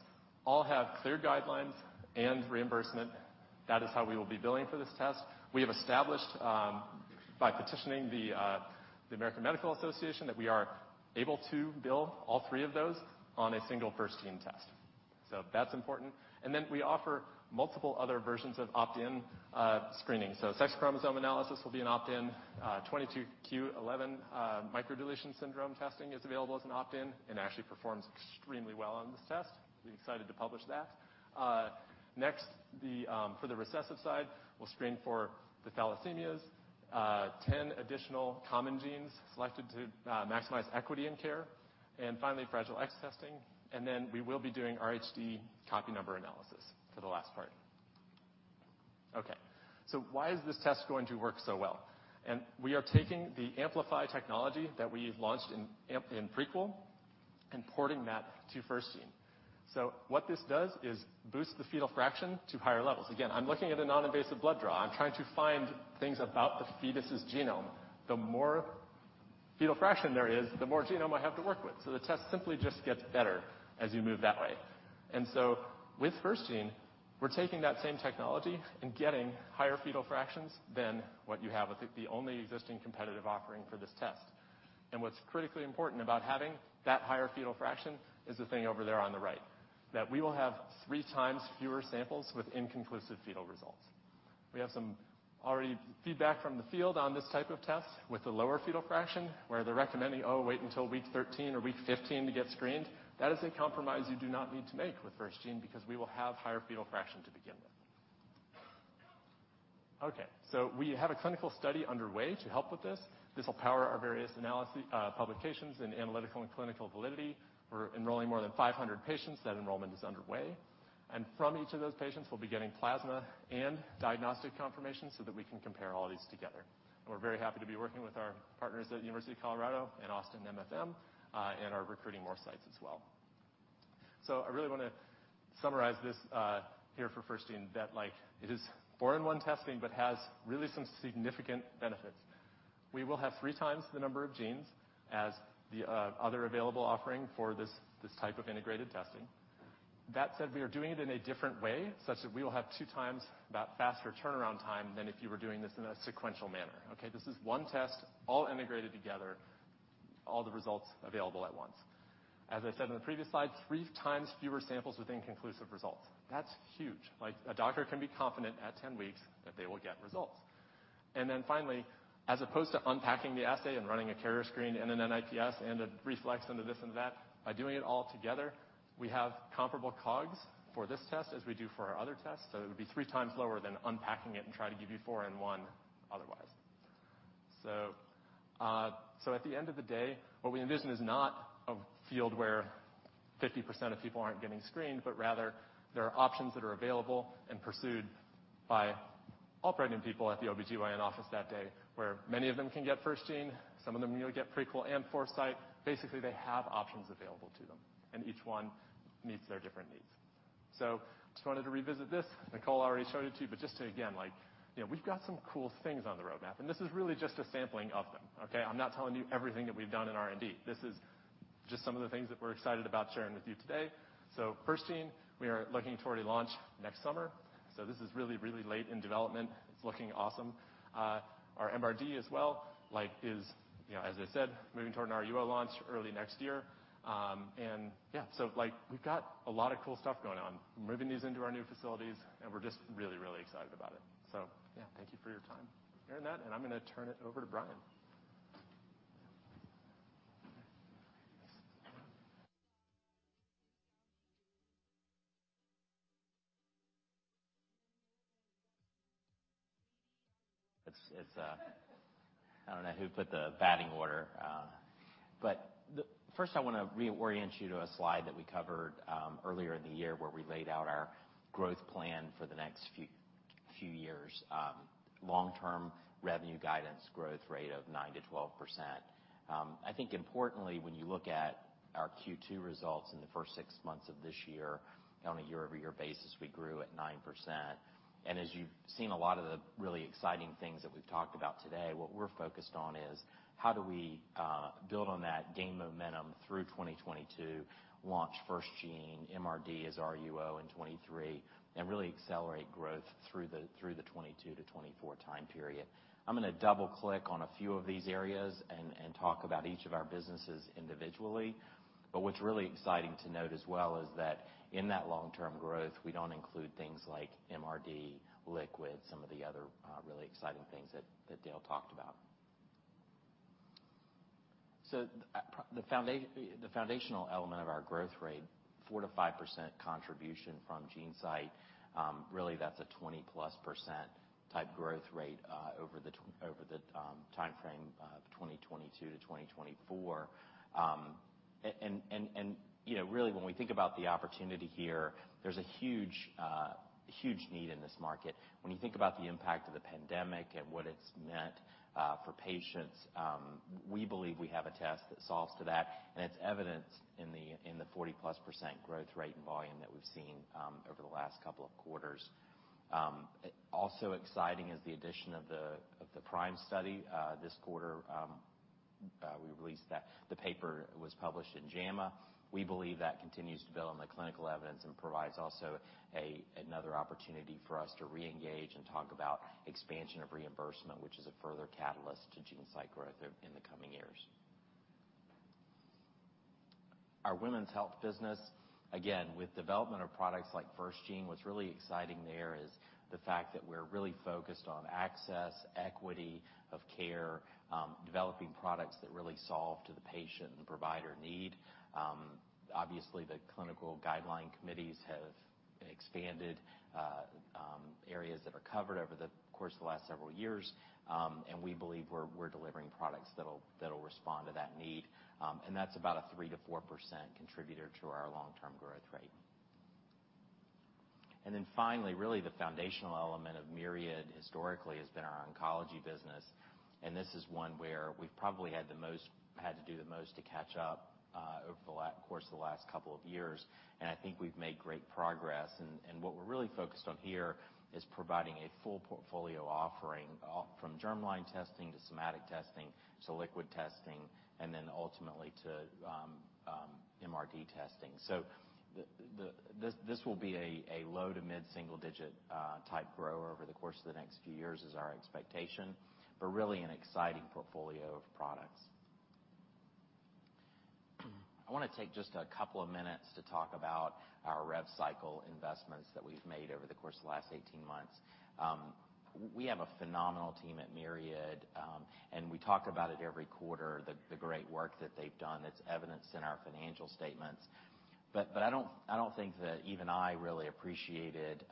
S15: all have clear guidelines and reimbursement. That is how we will be billing for this test. We have established by petitioning the American Medical Association that we are able to bill all three of those on a single FirstGene test. That's important. We offer multiple other versions of opt-in screening. Sex chromosome analysis will be an opt-in. 22q11 microdeletion syndrome testing is available as an opt-in and actually performs extremely well on this test. We're excited to publish that. Next, for the recessive side, we'll screen for the thalassemias, 10 additional common genes selected to maximize equity in care. Finally, fragile X testing. Then we will be doing RHD copy number analysis for the last part. Okay. Why is this test going to work so well? We are taking the AMPLIFY technology that we've launched in Prequel and porting that to FirstGene. What this does is boosts the fetal fraction to higher levels. Again, I'm looking at a non-invasive blood draw. I'm trying to find things about the fetus's genome. The more fetal fraction there is, the more genome I have to work with. The test simply just gets better as you move that way. With FirstGene, we're taking that same technology and getting higher fetal fractions than what you have with the only existing competitive offering for this test. What's critically important about having that higher fetal fraction is the thing over there on the right, that we will have three times fewer samples with inconclusive fetal results. We have some early feedback from the field on this type of test with the lower fetal fraction, where they're recommending, "Oh, wait until week 13 or week 15 to get screened." That is a compromise you do not need to make with FirstGene because we will have higher fetal fraction to begin with. Okay, we have a clinical study underway to help with this. This will power our various analyses, publications in analytical and clinical validity. We're enrolling more than 500 patients. That enrollment is underway. From each of those patients, we'll be getting plasma and diagnostic confirmation so that we can compare all these together. We're very happy to be working with our partners at University of Colorado and Austin MFM, and are recruiting more sites as well. I really wanna summarize this here for FirstGene that like it is four-in-one testing but has really some significant benefits. We will have three times the number of genes as the other available offering for this type of integrated testing. That said, we are doing it in a different way, such that we will have two times that faster turnaround time than if you were doing this in a sequential manner. Okay, this is one test all integrated together, all the results available at once. As I said in the previous slide, three times fewer samples with inconclusive results. That's huge. Like, a doctor can be confident at 10 weeks that they will get results. Then finally, as opposed to unpacking the assay and running a carrier screen and an NIPS and a reflex and a this and that, by doing it all together, we have comparable COGS for this test as we do for our other tests, so it would be three times lower than unpacking it and try to give you four in one otherwise. So at the end of the day, what we envision is not a field where 50% of people aren't getting screened, but rather there are options that are available and pursued by operating people at the OB-GYN office that day, where many of them can get FirstGene, some of them, you know, get Prequel and Foresight. Basically, they have options available to them, and each one meets their different needs. Just wanted to revisit this. Nicole already showed it to you, but just to, again, like, you know, we've got some cool things on the roadmap, and this is really just a sampling of them, okay? I'm not telling you everything that we've done in R&D. This is just some of the things that we're excited about sharing with you today. FirstGene, we are looking toward a launch next summer, so this is really, really late in development. It's looking awesome. Our MRD as well, like, is, you know, as I said, moving toward an RUO launch early next year. And yeah. Like, we've got a lot of cool stuff going on. We're moving these into our new facilities, and we're just really, really excited about it. Yeah, thank you for your time hearing that, and I'm gonna turn it over to Bryan.
S16: It's--I don't know who put the batting order, but first I wanna re-orient you to a slide that we covered earlier in the year where we laid out our growth plan for the next few years. Long-term revenue guidance growth rate of 9%-12%. I think importantly, when you look at our Q2 results in the first six months of this year on a year-over-year basis, we grew at 9%. As you've seen a lot of the really exciting things that we've talked about today, what we're focused on is how do we build on that, gain momentum through 2022, launch FirstGene, MRD as RUO in 2023, and really accelerate growth through the 2022 to 2024 time period. I'm gonna double-click on a few of these areas and talk about each of our businesses individually. What's really exciting to note as well is that in that long-term growth, we don't include things like MRD, Liquid, some of the other really exciting things that Dale talked about. The foundational element of our growth rate, 4%-5% contribution from GeneSight, really that's a 20%+ type growth rate over the timeframe of 2022 to 2024. You know, really when we think about the opportunity here, there's a huge need in this market. When you think about the impact of the pandemic and what it's meant for patients, we believe we have a test that solves to that, and it's evident in the 40%+ growth rate and volume that we've seen over the last couple of quarters. Also exciting is the addition of the PRIME study this quarter. We released that. The paper was published in JAMA. We believe that continues to build on the clinical evidence and provides another opportunity for us to reengage and talk about expansion of reimbursement, which is a further catalyst to GeneSight growth in the coming years. Our women's health business, again, with development of products like FirstGene, what's really exciting there is the fact that we're really focused on access, equity of care, developing products that really solve for the patient and provider need. Obviously, the clinical guideline committees have expanded areas that are covered over the course of the last several years, and we believe we're delivering products that'll respond to that need. That's about a 3%-4% contributor to our long-term growth rate. Then finally, really the foundational element of Myriad historically has been our oncology business, and this is one where we've probably had to do the most to catch up over the course of the last couple of years, and I think we've made great progress. What we're really focused on here is providing a full portfolio offering from germline testing to somatic testing to liquid testing, and then ultimately to MRD testing. This will be a low- to mid-single-digit type growth over the course of the next few years, is our expectation, but really an exciting portfolio of products. I wanna take just a couple of minutes to talk about our rev cycle investments that we've made over the course of the last 18 months. We have a phenomenal team at Myriad, and we talk about it every quarter, the great work that they've done that's evidenced in our financial statements. I don't think that even I really appreciated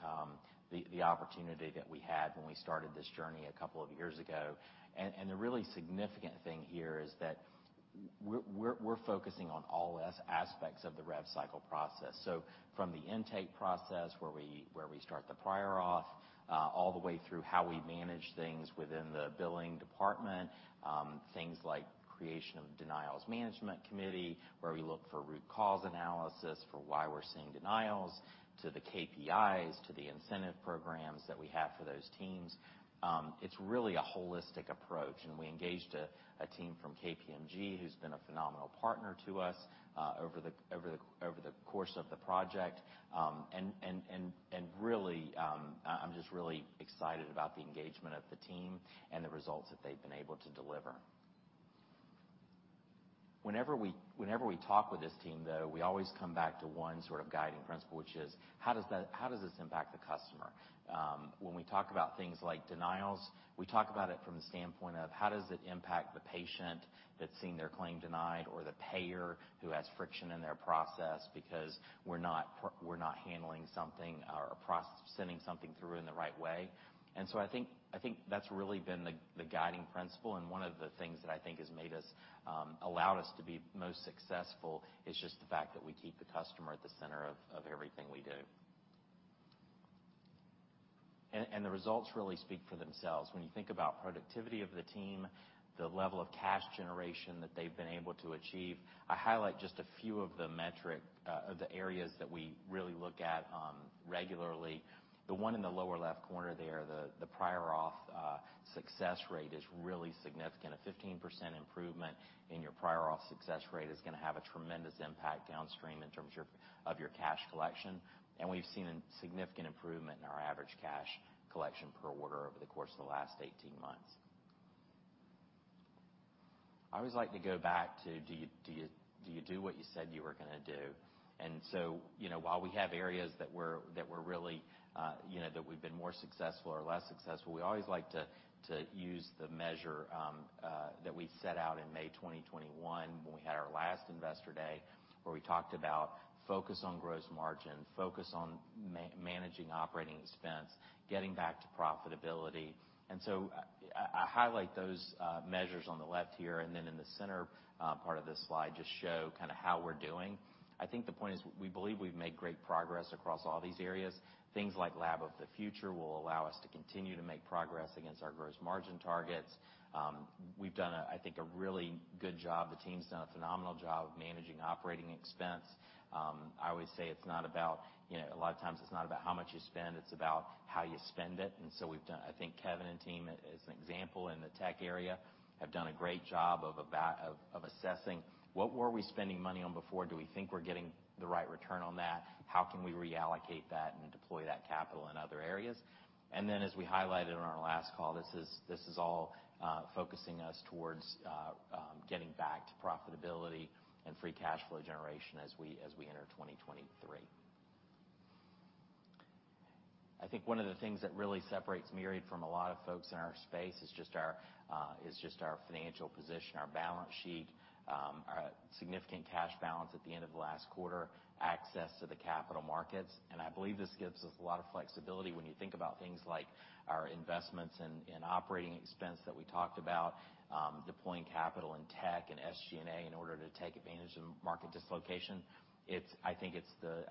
S16: the opportunity that we had when we started this journey a couple of years ago. The really significant thing here is that we're focusing on all aspects of the revenue cycle process. From the intake process where we start the prior auth, all the way through how we manage things within the billing department, things like creation of denials management committee, where we look for root cause analysis for why we're seeing denials, to the KPIs, to the incentive programs that we have for those teams. It's really a holistic approach, and we engaged a team from KPMG, who's been a phenomenal partner to us, over the course of the project. Really, I'm just really excited about the engagement of the team and the results that they've been able to deliver. Whenever we talk with this team, though, we always come back to one sort of guiding principle, which is how does this impact the customer? When we talk about things like denials, we talk about it from the standpoint of how does it impact the patient that's seeing their claim denied or the payer who has friction in their process because we're not handling something or sending something through in the right way. I think that's really been the guiding principle, and one of the things that I think has allowed us to be most successful is just the fact that we keep the customer at the center of everything we do. The results really speak for themselves. When you think about productivity of the team, the level of cash generation that they've been able to achieve. I highlight just a few of the metrics of the areas that we really look at regularly. The one in the lower left corner there, the prior auth success rate is really significant. A 15% improvement in your prior auth success rate is gonna have a tremendous impact downstream in terms of of your cash collection, and we've seen a significant improvement in our average cash collection per order over the course of the last 18 months. I always like to go back to do you do what you said you were gonna do? You know, while we have areas that we're really that we've been more successful or less successful, we always like to use the measure that we set out in May 2021, when we had our last Investor Day, where we talked about focus on gross margin, focus on managing operating expense, getting back to profitability. I highlight those measures on the left here, and then in the center part of this slide just show kinda how we're doing. I think the point is we believe we've made great progress across all these areas. Things like Lab of the Future will allow us to continue to make progress against our gross margin targets. We've done, I think, a really good job. The team's done a phenomenal job of managing operating expense. I always say it's not about, you know, a lot of times it's not about how much you spend, it's about how you spend it. We've done—I think Kevin and team, as an example, in the tech area, have done a great job of assessing what were we spending money on before. Do we think we're getting the right return on that? How can we reallocate that and deploy that capital in other areas? As we highlighted on our last call, this is all focusing us towards getting back to profitability and free cash flow generation as we enter 2023. I think one of the things that really separates Myriad from a lot of folks in our space is just our financial position, our balance sheet, our significant cash balance at the end of last quarter, access to the capital markets. I believe this gives us a lot of flexibility when you think about things like our investments in operating expense that we talked about, deploying capital in tech and SG&A in order to take advantage of market dislocation. I think it's the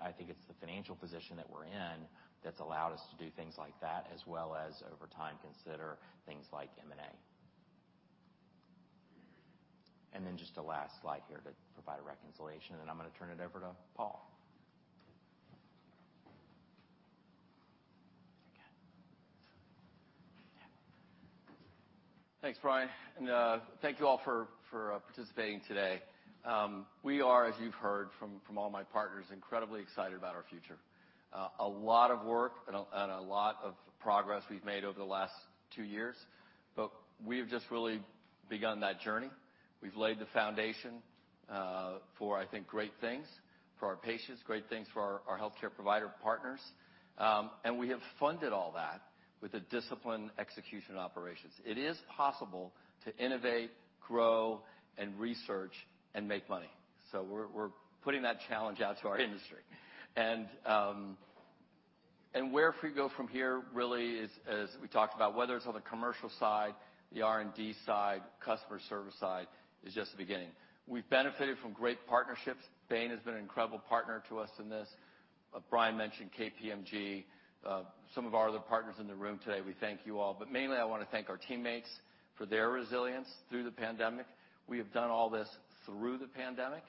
S16: financial position that we're in that's allowed us to do things like that, as well as over time, consider things like M&A. Then just a last slide here to provide a reconciliation, and I'm gonna turn it over to Paul.
S1: Thanks, Bryan. Thank you all for participating today. We are, as you've heard from all my partners, incredibly excited about our future. A lot of work and a lot of progress we've made over the last two years, but we've just really begun that journey. We've laid the foundation for I think great things for our patients, great things for our healthcare provider partners. We have funded all that with the discipline, execution, and operations. It is possible to innovate, grow, and research and make money. We're putting that challenge out to our industry. Where do we go from here really is, as we talked about, whether it's on the commercial side, the R&D side, customer service side, is just the beginning. We've benefited from great partnerships. Bain has been an incredible partner to us in this. Bryan mentioned KPMG. Some of our other partners in the room today, we thank you all. Mainly, I wanna thank our teammates for their resilience through the pandemic. We have done all this through the pandemic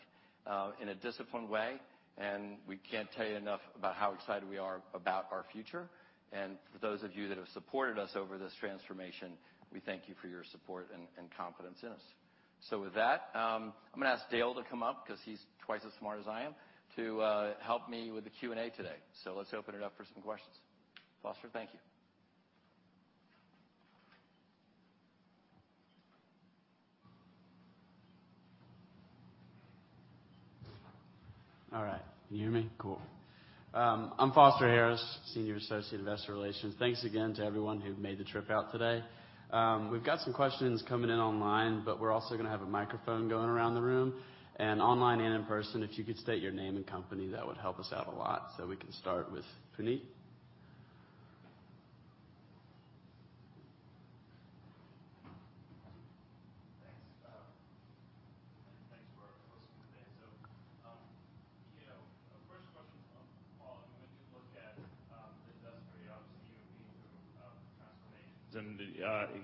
S1: in a disciplined way, and we can't tell you enough about how excited we are about our future. For those of you that have supported us over this transformation, we thank you for your support and confidence in us. With that, I'm gonna ask Dale to come up, 'cause he's twice as smart as I am, to help me with the Q&A today. Let's open it up for some questions. Foster, thank you.
S17: All right. Can you hear me? Cool. I'm Foster Harris, Senior Associate, Investor Relations. Thanks again to everyone who made the trip out today. We've got some questions coming in online, but we're also gonna have a microphone going around the room. Online and in person, if you could state your name and company, that would help us out a lot, so we can start with Puneet.
S18: Thanks.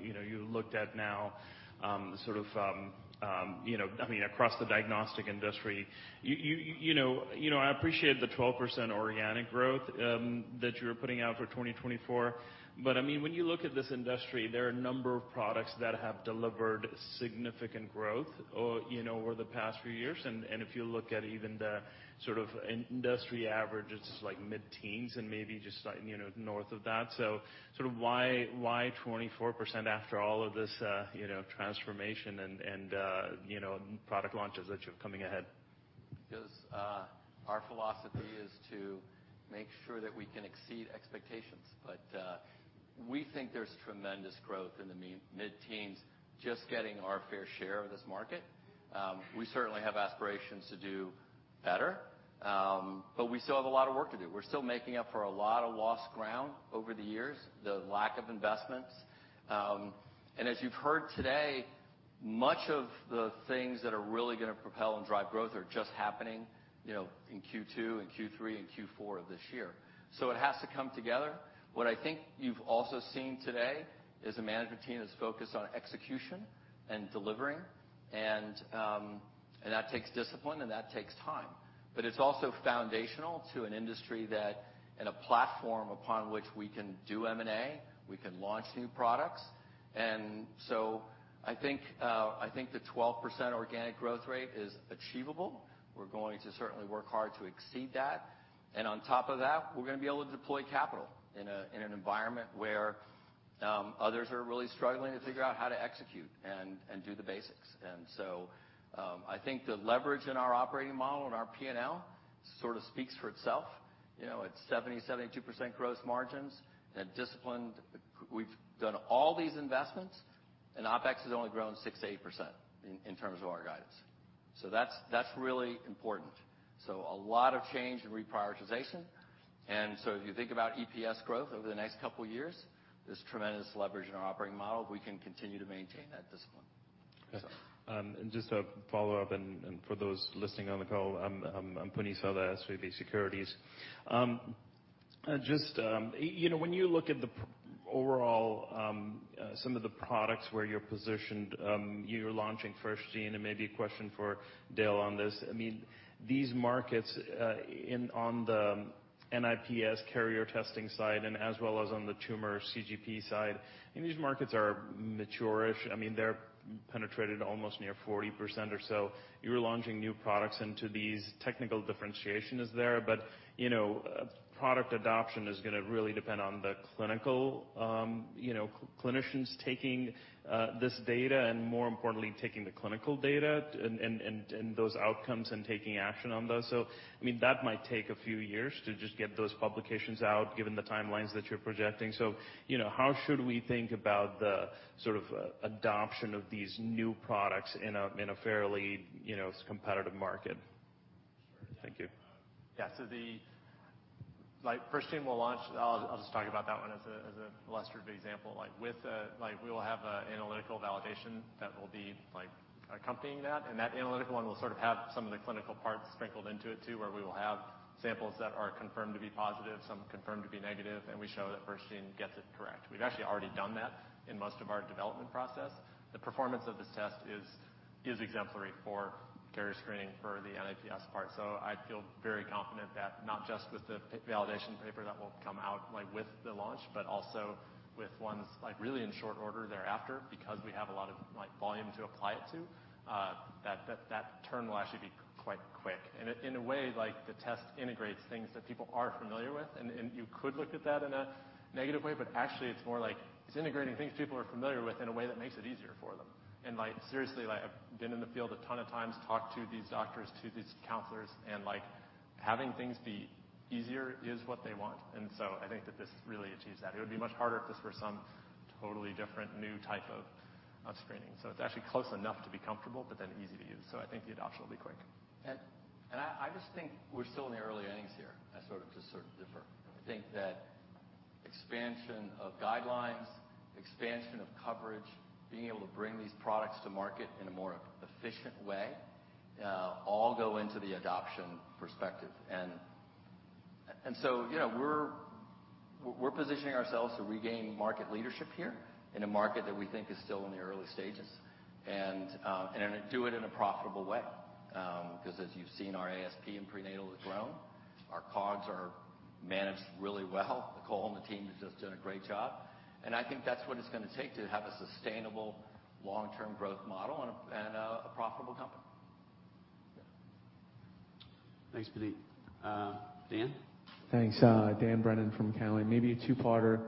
S18: You know, you looked at now sort of you know I mean across the diagnostic industry. You know I appreciate the 12% organic growth that you're putting out for 2024. I mean when you look at this industry there are a number of products that have delivered significant growth you know over the past few years. If you look at even the sort of industry average it's like mid-teens and maybe just like you know north of that. Why 24% after all of this, you know, transformation and, you know, product launches that you have coming ahead?
S1: Because, our philosophy is to make sure that we can exceed expectations. But, we think there's tremendous growth in the mid-teens just getting our fair share of this market. We certainly have aspirations to do better, but we still have a lot of work to do. We're still making up for a lot of lost ground over the years, the lack of investments. And as you've heard today, much of the things that are really gonna propel and drive growth are just happening, you know, in Q2 and Q3 and Q4 of this year. It has to come together. What I think you've also seen today is a management team that's focused on execution and delivering, and that takes discipline and that takes time. It's also foundational to an industry that, in a platform upon which we can do M&A, we can launch new products. I think the 12% organic growth rate is achievable. We're going to certainly work hard to exceed that. On top of that, we're gonna be able to deploy capital in an environment where others are really struggling to figure out how to execute and do the basics. I think the leverage in our operating model and our P&L sort of speaks for itself. You know, at 72% gross margins and disciplined. We've done all these investments, and OpEx has only grown 6%-8% in terms of our guidance. That's really important. A lot of change and reprioritization. If you think about EPS growth over the next couple of years, there's tremendous leverage in our operating model. We can continue to maintain that discipline.
S18: Okay. Just a follow-up for those listening on the call. I'm Puneet Souda, SVB Securities. Just, you know, when you look at the overall, some of the products where you're positioned, you're launching FirstGene, and maybe a question for Dale on this. I mean, these markets on the NIPS carrier testing side and as well as on the tumor CGP side, these markets are mature-ish. I mean, they're penetrated almost near 40% or so. You're launching new products into these. Technical differentiation is there, but, you know, product adoption is gonna really depend on the clinical, you know, clinicians taking this data and more importantly, taking the clinical data and those outcomes and taking action on those. I mean, that might take a few years to just get those publications out, given the timelines that you're projecting. You know, how should we think about the sort of adoption of these new products in a fairly, you know, competitive market?
S15: Sure.
S18: Thank you.
S15: Yeah. Like, first thing we'll launch, I'll just talk about that one as an illustrative example. Like, with, like, we will have an analytical validation that will be, like, accompanying that, and that analytical one will sort of have some of the clinical parts sprinkled into it, too, where we will have samples that are confirmed to be positive, some confirmed to be negative, and we show that FirstGene gets it correct. We've actually already done that in most of our development process. The performance of this test is exemplary for carrier screening for the NIPS part. I feel very confident that not just with the validation paper that will come out, like, with the launch, but also with ones, like, really in short order thereafter, because we have a lot of, like, volume to apply it to, that turn will actually be quite quick. In a way, like, the test integrates things that people are familiar with, and you could look at that in a negative way, but actually it's more like it's integrating things people are familiar with in a way that makes it easier for them. Like, seriously, like, I've been in the field a ton of times, talked to these doctors, to these counselors, and like, having things be easier is what they want. I think that this really achieves that. It would be much harder if this were some totally different new type of screening. It's actually close enough to be comfortable, but then easy to use. I think the adoption will be quick.
S1: I just think we're still in the early innings here. I sort of differ. I think that expansion of guidelines, expansion of coverage, being able to bring these products to market in a more efficient way, all go into the adoption perspective. You know, we're positioning ourselves to regain market leadership here in a market that we think is still in the early stages, and do it in a profitable way. 'Cause as you've seen, our ASP in prenatal has grown. Our COGS are managed really well. Nicole and the team have just done a great job. I think that's what it's gonna take to have a sustainable long-term growth model and a profitable company.
S17: Thanks, Puneet. Dan?
S19: Thanks. Dan Brennan from TD Cowen. Maybe a two-parter.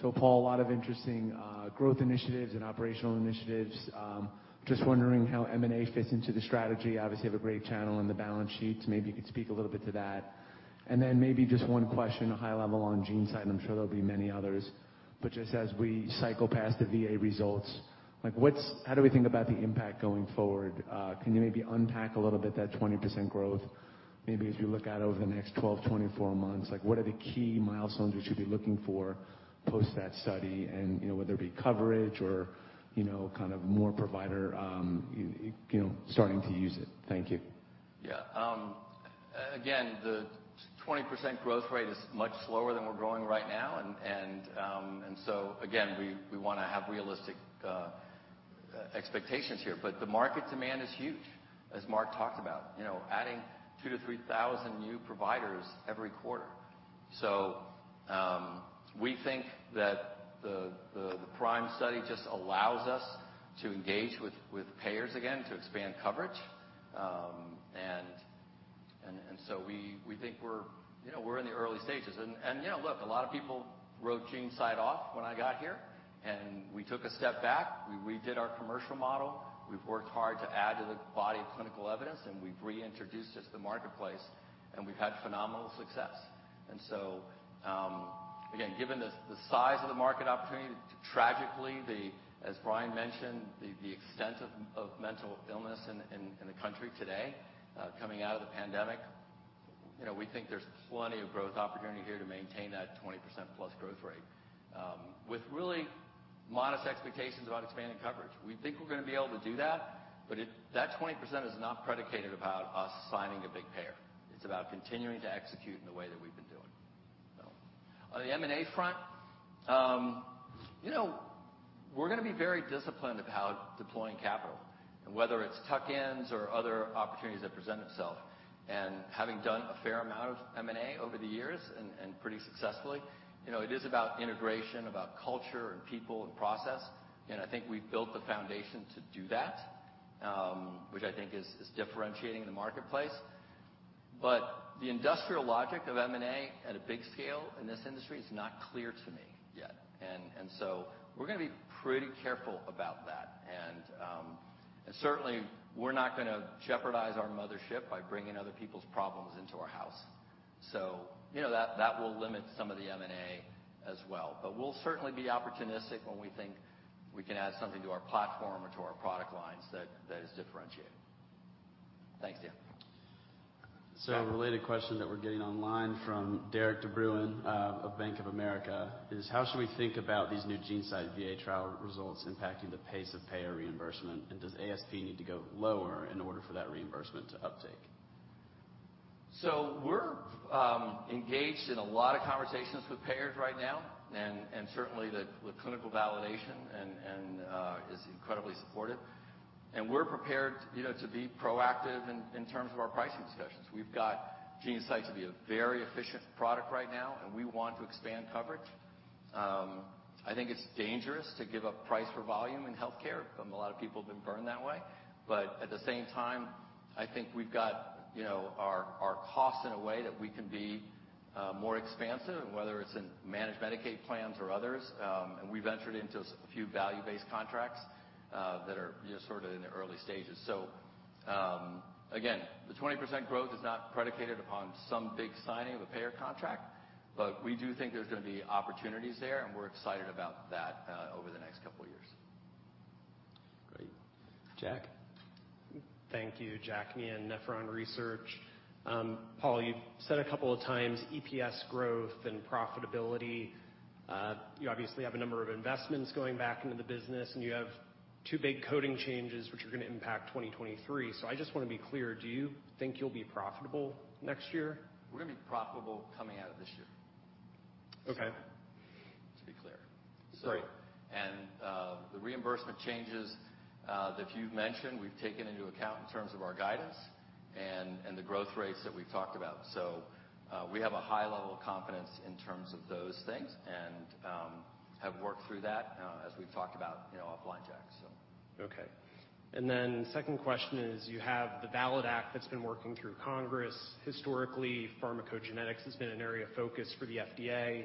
S19: Paul, a lot of interesting growth initiatives and operational initiatives. Just wondering how M&A fits into the strategy. Obviously, have a great cash on the balance sheet. Maybe you could speak a little bit to that. Then maybe just one question, a high level on GeneSight, and I'm sure there'll be many others. Just as we cycle past the VA results, like how do we think about the impact going forward? Can you maybe unpack a little bit that 20% growth? Maybe as we look out over the next 12, 24 months, like, what are the key milestones we should be looking for post that study? You know, whether it be coverage or, you know, kind of more providers starting to use it. Thank you.
S1: Yeah. Again, the 20% growth rate is much slower than we're growing right now. Again, we wanna have realistic expectations here. The market demand is huge, as Mark talked about. You know, adding 2,000 to 3,000 new providers every quarter. We think that the PRIME study just allows us to engage with payers again to expand coverage. We think we're, you know, in the early stages. Yeah, look, a lot of people wrote GeneSight off when I got here, and we took a step back. We redid our commercial model. We've worked hard to add to the body of clinical evidence, and we've reintroduced it to the marketplace, and we've had phenomenal success. Again, given the size of the market opportunity, tragically, as Bryan mentioned, the extent of mental illness in the country today, coming out of the pandemic, you know, we think there's plenty of growth opportunity here to maintain that 20%+ growth rate, with really modest expectations about expanding coverage. We think we're gonna be able to do that, but that 20% is not predicated about us signing a big payer. It's about continuing to execute in the way that we've been doing. On the M&A front, you know, we're gonna be very disciplined about deploying capital, and whether it's tuck-ins or other opportunities that present itself. Having done a fair amount of M&A over the years and pretty successfully, you know, it is about integration, about culture and people and process. I think we've built the foundation to do that, which I think is differentiating in the marketplace. The industrial logic of M&A at a big scale in this industry is not clear to me yet. We're gonna be pretty careful about that. Certainly, we're not gonna jeopardize our mothership by bringing other people's problems into our house. You know, that will limit some of the M&A as well. We'll certainly be opportunistic when we think we can add something to our platform or to our product lines that is differentiating. Thanks, Dan.
S17: A related question that we're getting online from Derik De Bruin of Bank of America is, how should we think about these new GeneSight VA trial results impacting the pace of payer reimbursement? Does ASP need to go lower in order for that reimbursement to uptake?
S1: We're engaged in a lot of conversations with payers right now, and certainly the clinical validation is incredibly supportive. We're prepared, you know, to be proactive in terms of our pricing discussions. We've got GeneSight to be a very efficient product right now, and we want to expand coverage. I think it's dangerous to give up price for volume in healthcare. A lot of people have been burned that way. At the same time, I think we've got, you know, our costs in a way that we can be more expansive, and whether it's in managed Medicaid plans or others. We've entered into a few value-based contracts that are just sort of in the early stages. Again, the 20% growth is not predicated upon some big signing of a payer contract, but we do think there's gonna be opportunities there, and we're excited about that over the next couple of years.
S17: Great. Jack?
S20: Thank you. Jack Meehan, Nephron Research. Paul, you've said a couple of times EPS growth and profitability. You, obviously, have a number of investments going back into the business, and you have two big coding changes which are gonna impact 2023. I just wanna be clear, do you think you'll be profitable next year?
S1: We're gonna be profitable coming out of this year.
S20: Okay.
S1: To be clear.
S20: Great.
S1: The reimbursement changes that you've mentioned, we've taken into account in terms of our guidance and the growth rates that we've talked about. We have a high level of confidence in terms of those things and have worked through that as we've talked about, you know, offline, Jack.
S20: Okay. Second question is, you have the VALID Act that's been working through Congress. Historically, pharmacogenetics has been an area of focus for the FDA.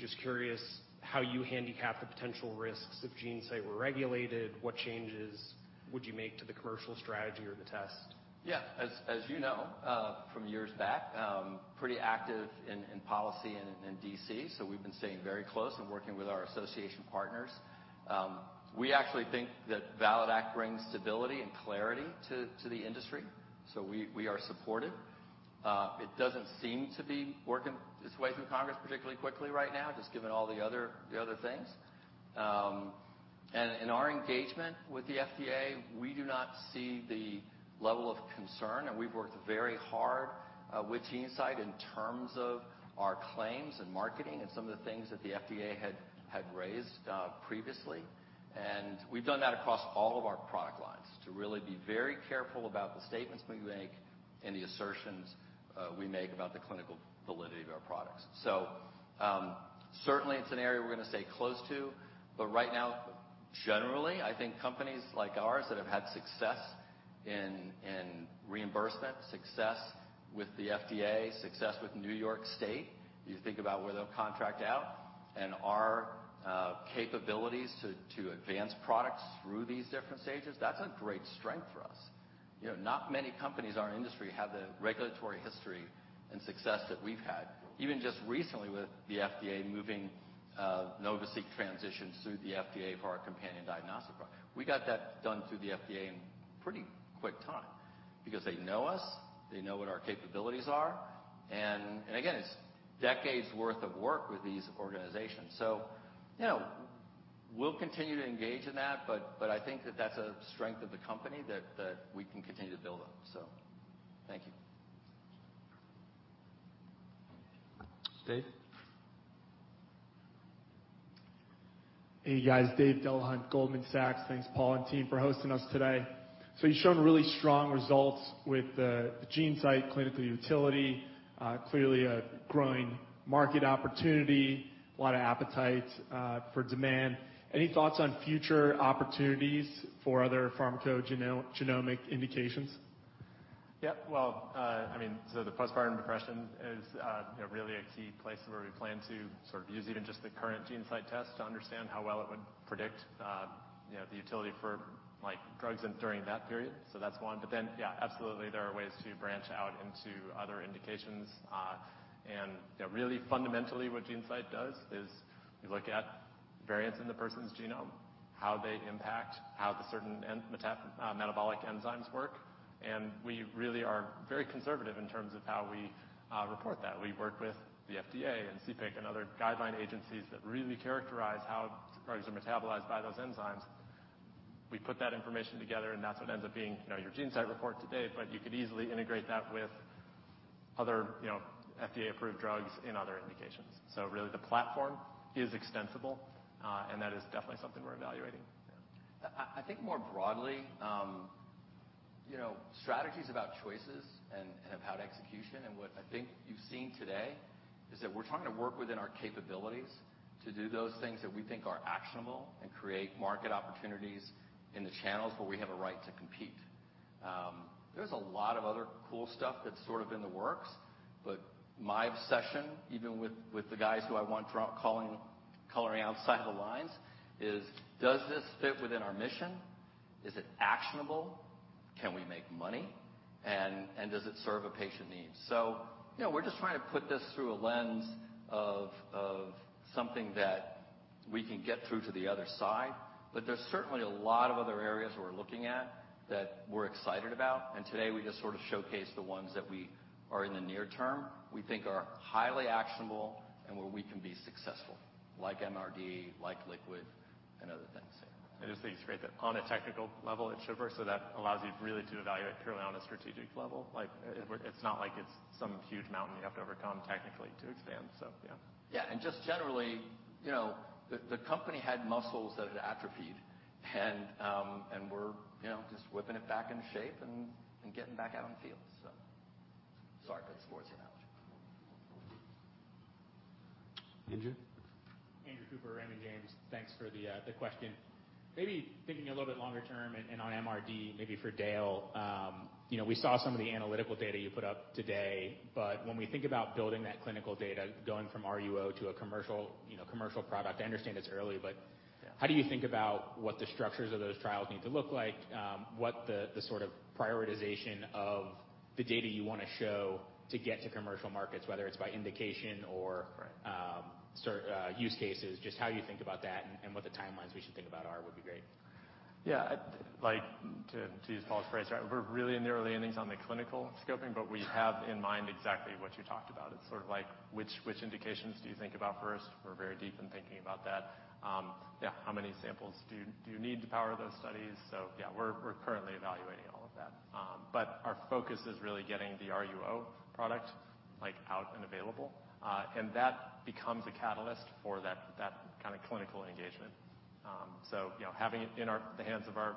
S20: Just curious how you handicap the potential risks if GeneSight were regulated. What changes would you make to the commercial strategy or the test?
S1: Yeah. As you know, from years back, pretty active in policy and in D.C., so we've been staying very close and working with our association partners. We actually think that VALID Act brings stability and clarity to the industry, so we are supportive. It doesn't seem to be working its way through Congress particularly quickly right now, just given all the other things. In our engagement with the FDA, we do not see the level of concern, and we've worked very hard with GeneSight in terms of our claims and marketing and some of the things that the FDA had raised previously. We've done that across all of our product lines to really be very careful about the statements we make and the assertions we make about the clinical validity of our products. Certainly it's an area we're gonna stay close to, but right now, generally, I think companies like ours that have had success in reimbursement, success with the FDA, success with New York State. You think about where they'll contract out, and our capabilities to advance products through these different stages, that's a great strength for us. You know, not many companies in our industry have the regulatory history and success that we've had. Even just recently with the FDA moving NovaSeq transitions through the FDA for our companion diagnostic product. We got that done through the FDA in pretty quick time because they know us, they know what our capabilities are, and again, it's decades worth of work with these organizations. You know, we'll continue to engage in that, but I think that's a strength of the company that we can continue to build on. Thank you.
S17: Dave?
S21: Hey, guys. Dave Delahunt, Goldman Sachs. Thanks, Paul and team, for hosting us today. You've shown really strong results with the GeneSight clinical utility. Clearly a growing market opportunity, a lot of appetite for demand. Any thoughts on future opportunities for other pharmacogenomic indications?
S15: Yeah. Well, I mean, the postpartum depression is, you know, really a key place where we plan to sort of use even just the current GeneSight test to understand how well it would predict, you know, the utility for, like, drugs and during that period. That's one. Then, yeah, absolutely, there are ways to branch out into other indications. You know, really fundamentally what GeneSight does is we look at variants in the person's genome, how they impact how the certain metabolic enzymes work, and we really are very conservative in terms of how we report that. We work with the FDA and CPIC and other guideline agencies that really characterize how drugs are metabolized by those enzymes. We put that information together, and that's what ends up being, you know, your GeneSight report to date, but you could easily integrate that with other, you know, FDA-approved drugs in other indications. Really the platform is extensible, and that is definitely something we're evaluating. Yeah.
S1: I think more broadly, you know, strategy's about choices and about execution. What I think you've seen today is that we're trying to work within our capabilities to do those things that we think are actionable and create market opportunities in the channels where we have a right to compete. There's a lot of other cool stuff that's sort of in the works, but my obsession, even with the guys who I want coloring outside the lines, is does this fit within our mission? Is it actionable? Can we make money? And does it serve a patient need? You know, we're just trying to put this through a lens of something that we can get through to the other side. There's certainly a lot of other areas we're looking at that we're excited about. Today, we just sort of showcased the ones that we are in the near term, we think are highly actionable and where we can be successful like MRD, like Liquid, and other things.
S15: I just think it's great that on a technical level, it should work, so that allows you really to evaluate purely on a strategic level. Like, it's not like it's some huge mountain you have to overcome technically to expand. Yeah.
S1: Yeah. Just generally, you know, the company had muscles that had atrophied and we're, you know, just whipping it back into shape and getting back out on the field. Sorry for the sports analogy.
S17: Andrew.
S22: Andrew Cooper, Raymond James. Thanks for the question. Maybe thinking a little bit longer term and on MRD maybe for Dale. You know, we saw some of the analytical data you put up today, but when we think about building that clinical data going from RUO to a commercial, you know, commercial product, I understand it's early, but-
S15: Yeah....
S22: how do you think about what the structures of those trials need to look like? What the sort of prioritization of the data you wanna show to get to commercial markets, whether it's by indication or-
S15: Right....
S22: certain use cases, just, how you think about that and what the timelines we should think about are would be great.
S15: Yeah. Like, to use Paul's phrase, right, we're really in the early innings on the clinical scoping, but we have in mind exactly what you talked about. It's sort of like which indications do you think about first? We're very deep in thinking about that. Yeah, how many samples do you need to power those studies? Yeah, we're currently evaluating all of that. But our focus is really getting the RUO product, like, out and available. That becomes a catalyst for that kind of clinical engagement. You know, having it in the hands of our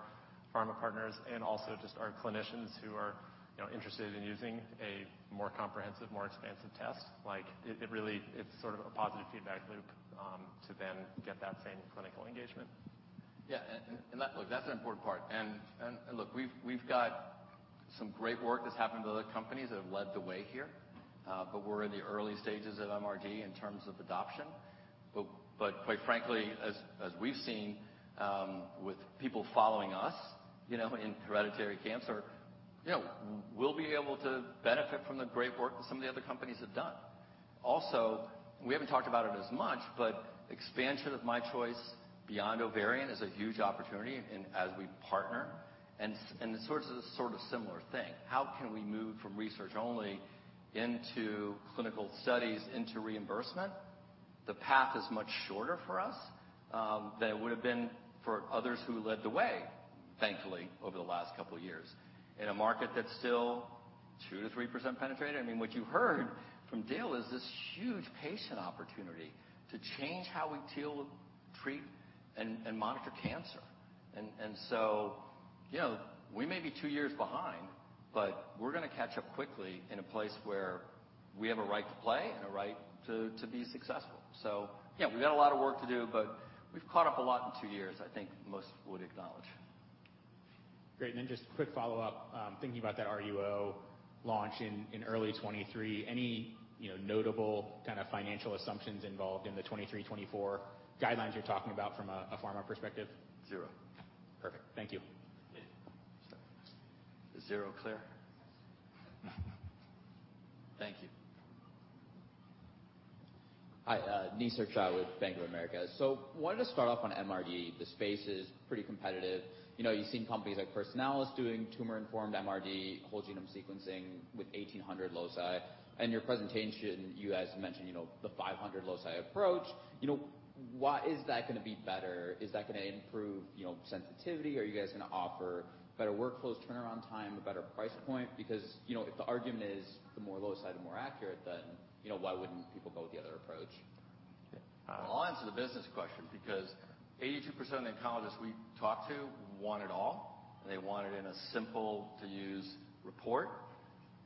S15: pharma partners and also just our clinicians who are, you know, interested in using a more comprehensive, more expansive test, like it really, it's sort of a positive feedback loop to then get that same clinical engagement.
S1: Yeah. Look, that's an important part. Look, we've got some great work that's happened with other companies that have led the way here. But we're in the early stages at MRD in terms of adoption. But quite frankly, as we've seen with people following us, you know, in hereditary cancer, you know, we'll be able to benefit from the great work that some of the other companies have done. Also, we haven't talked about it as much, but expansion of MyChoice beyond ovarian is a huge opportunity in as we partner and it sort of a similar thing. How can we move from research only into clinical studies into reimbursement? The path is much shorter for us, than it would have been for others who led the way, thankfully, over the last couple of years. In a market that's still 2%-3% penetrated, I mean, what you heard from Dale is this huge patient opportunity to change how we deal with, treat, and monitor cancer. You know, we may be two years behind, but we're gonna catch up quickly in a place where we have a right to play and a right to be successful. Yeah, we've got a lot of work to do, but we've caught up a lot in two years, I think most would acknowledge.
S22: Great. Just quick follow-up, thinking about that RUO launch in early 2023. Any, you know, notable kind of financial assumptions involved in the 2023, 2024 guidelines you're talking about from a pharma perspective?
S15: Zero.
S22: Perfect. Thank you.
S15: Yeah.
S1: Is zero clear?
S22: Mmhmm.
S1: Thank you.
S23: Hi, Nisarg Shah with Bank of America. Wanted to start off on MRD. The space is pretty competitive. You know, you've seen companies like Personalis doing tumor-informed MRD whole genome sequencing with 1,800 loci. In your presentation, you guys mentioned, you know, the 500-loci approach. You know, why is that gonna be better? Is that gonna improve, you know, sensitivity? Are you guys gonna offer better workflows, turnaround time, a better price point? Because, you know, if the argument is the more loci, the more accurate, then, you know, why wouldn't people go with the other approach?
S1: Well, onto the business question, because 82% of the oncologists we talk to want it all, and they want it in a simple to use report.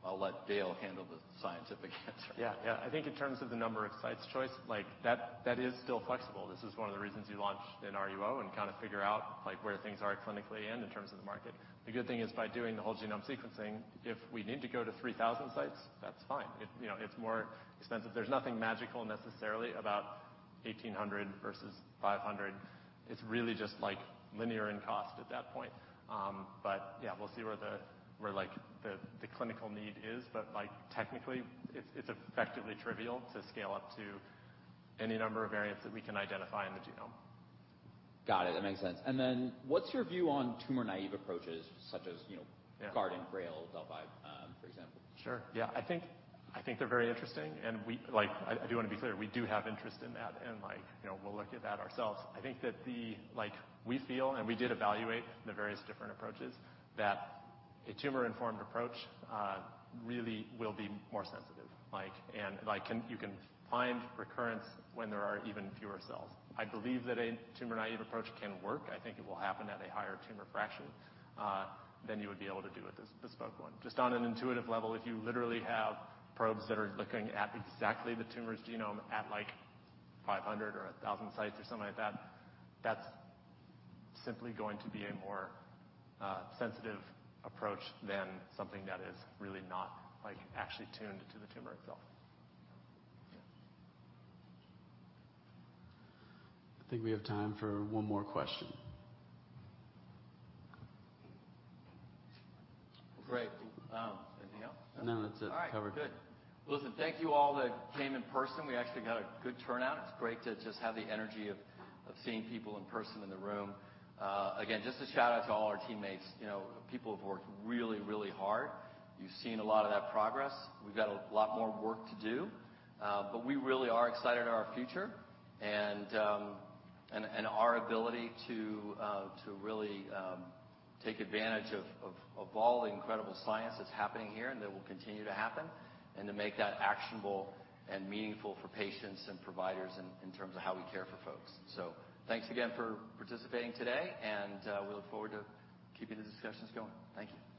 S1: I'll let Dale handle the scientific answer.
S15: Yeah. Yeah. I think in terms of the number of sites choice, like that is still flexible. This is one of the reasons you launched in RUO and kinda figure out like where things are clinically and in terms of the market. The good thing is by doing the whole genome sequencing, if we need to go to 3,000 sites, that's fine. It, you know, it's more expensive. There's nothing magical necessarily about 1,800 versus 500. It's really just like linear in cost at that point. But yeah, we'll see where the clinical need is. Like technically, it's effectively trivial to scale up to any number of variants that we can identify in the genome.
S23: Got it. That makes sense. What's your view on tumor-naive approaches such as, you know-
S15: Yeah....
S23: Guardant, GRAIL, DELFI, for example?
S15: Sure. Yeah. I think they're very interesting and we, like, I do wanna be clear, we do have interest in that and like, you know, we'll look at that ourselves. I think that, like, we feel, and we did evaluate the various different approaches, that a tumor-informed approach really will be more sensitive. Like, you can find recurrence when there are even fewer cells. I believe that a tumor-naive approach can work. I think it will happen at a higher tumor fraction than you would be able to do with this bespoke one. Just on an intuitive level, if you literally have probes that are looking at exactly the tumor's genome at like 500 or 1,000 sites or something like that's simply going to be a more sensitive approach than something that is really not like actually tuned to the tumor itself.
S1: Yeah.
S17: I think we have time for one more question.
S1: Great. Anything else?
S17: No, that's it. Covered.
S1: All right. Good. Listen, thank you all that came in person. We actually got a good turnout. It's great to just have the energy of seeing people in person in the room. Again, just a shout-out to all our teammates. You know, people have worked really hard. You've seen a lot of that progress. We've got a lot more work to do, but we really are excited at our future and our ability to really take advantage of all the incredible science that's happening here and that will continue to happen, and to make that actionable and meaningful for patients and providers in terms of how we care for folks. Thanks again for participating today and we look forward to keeping the discussions going. Thank you.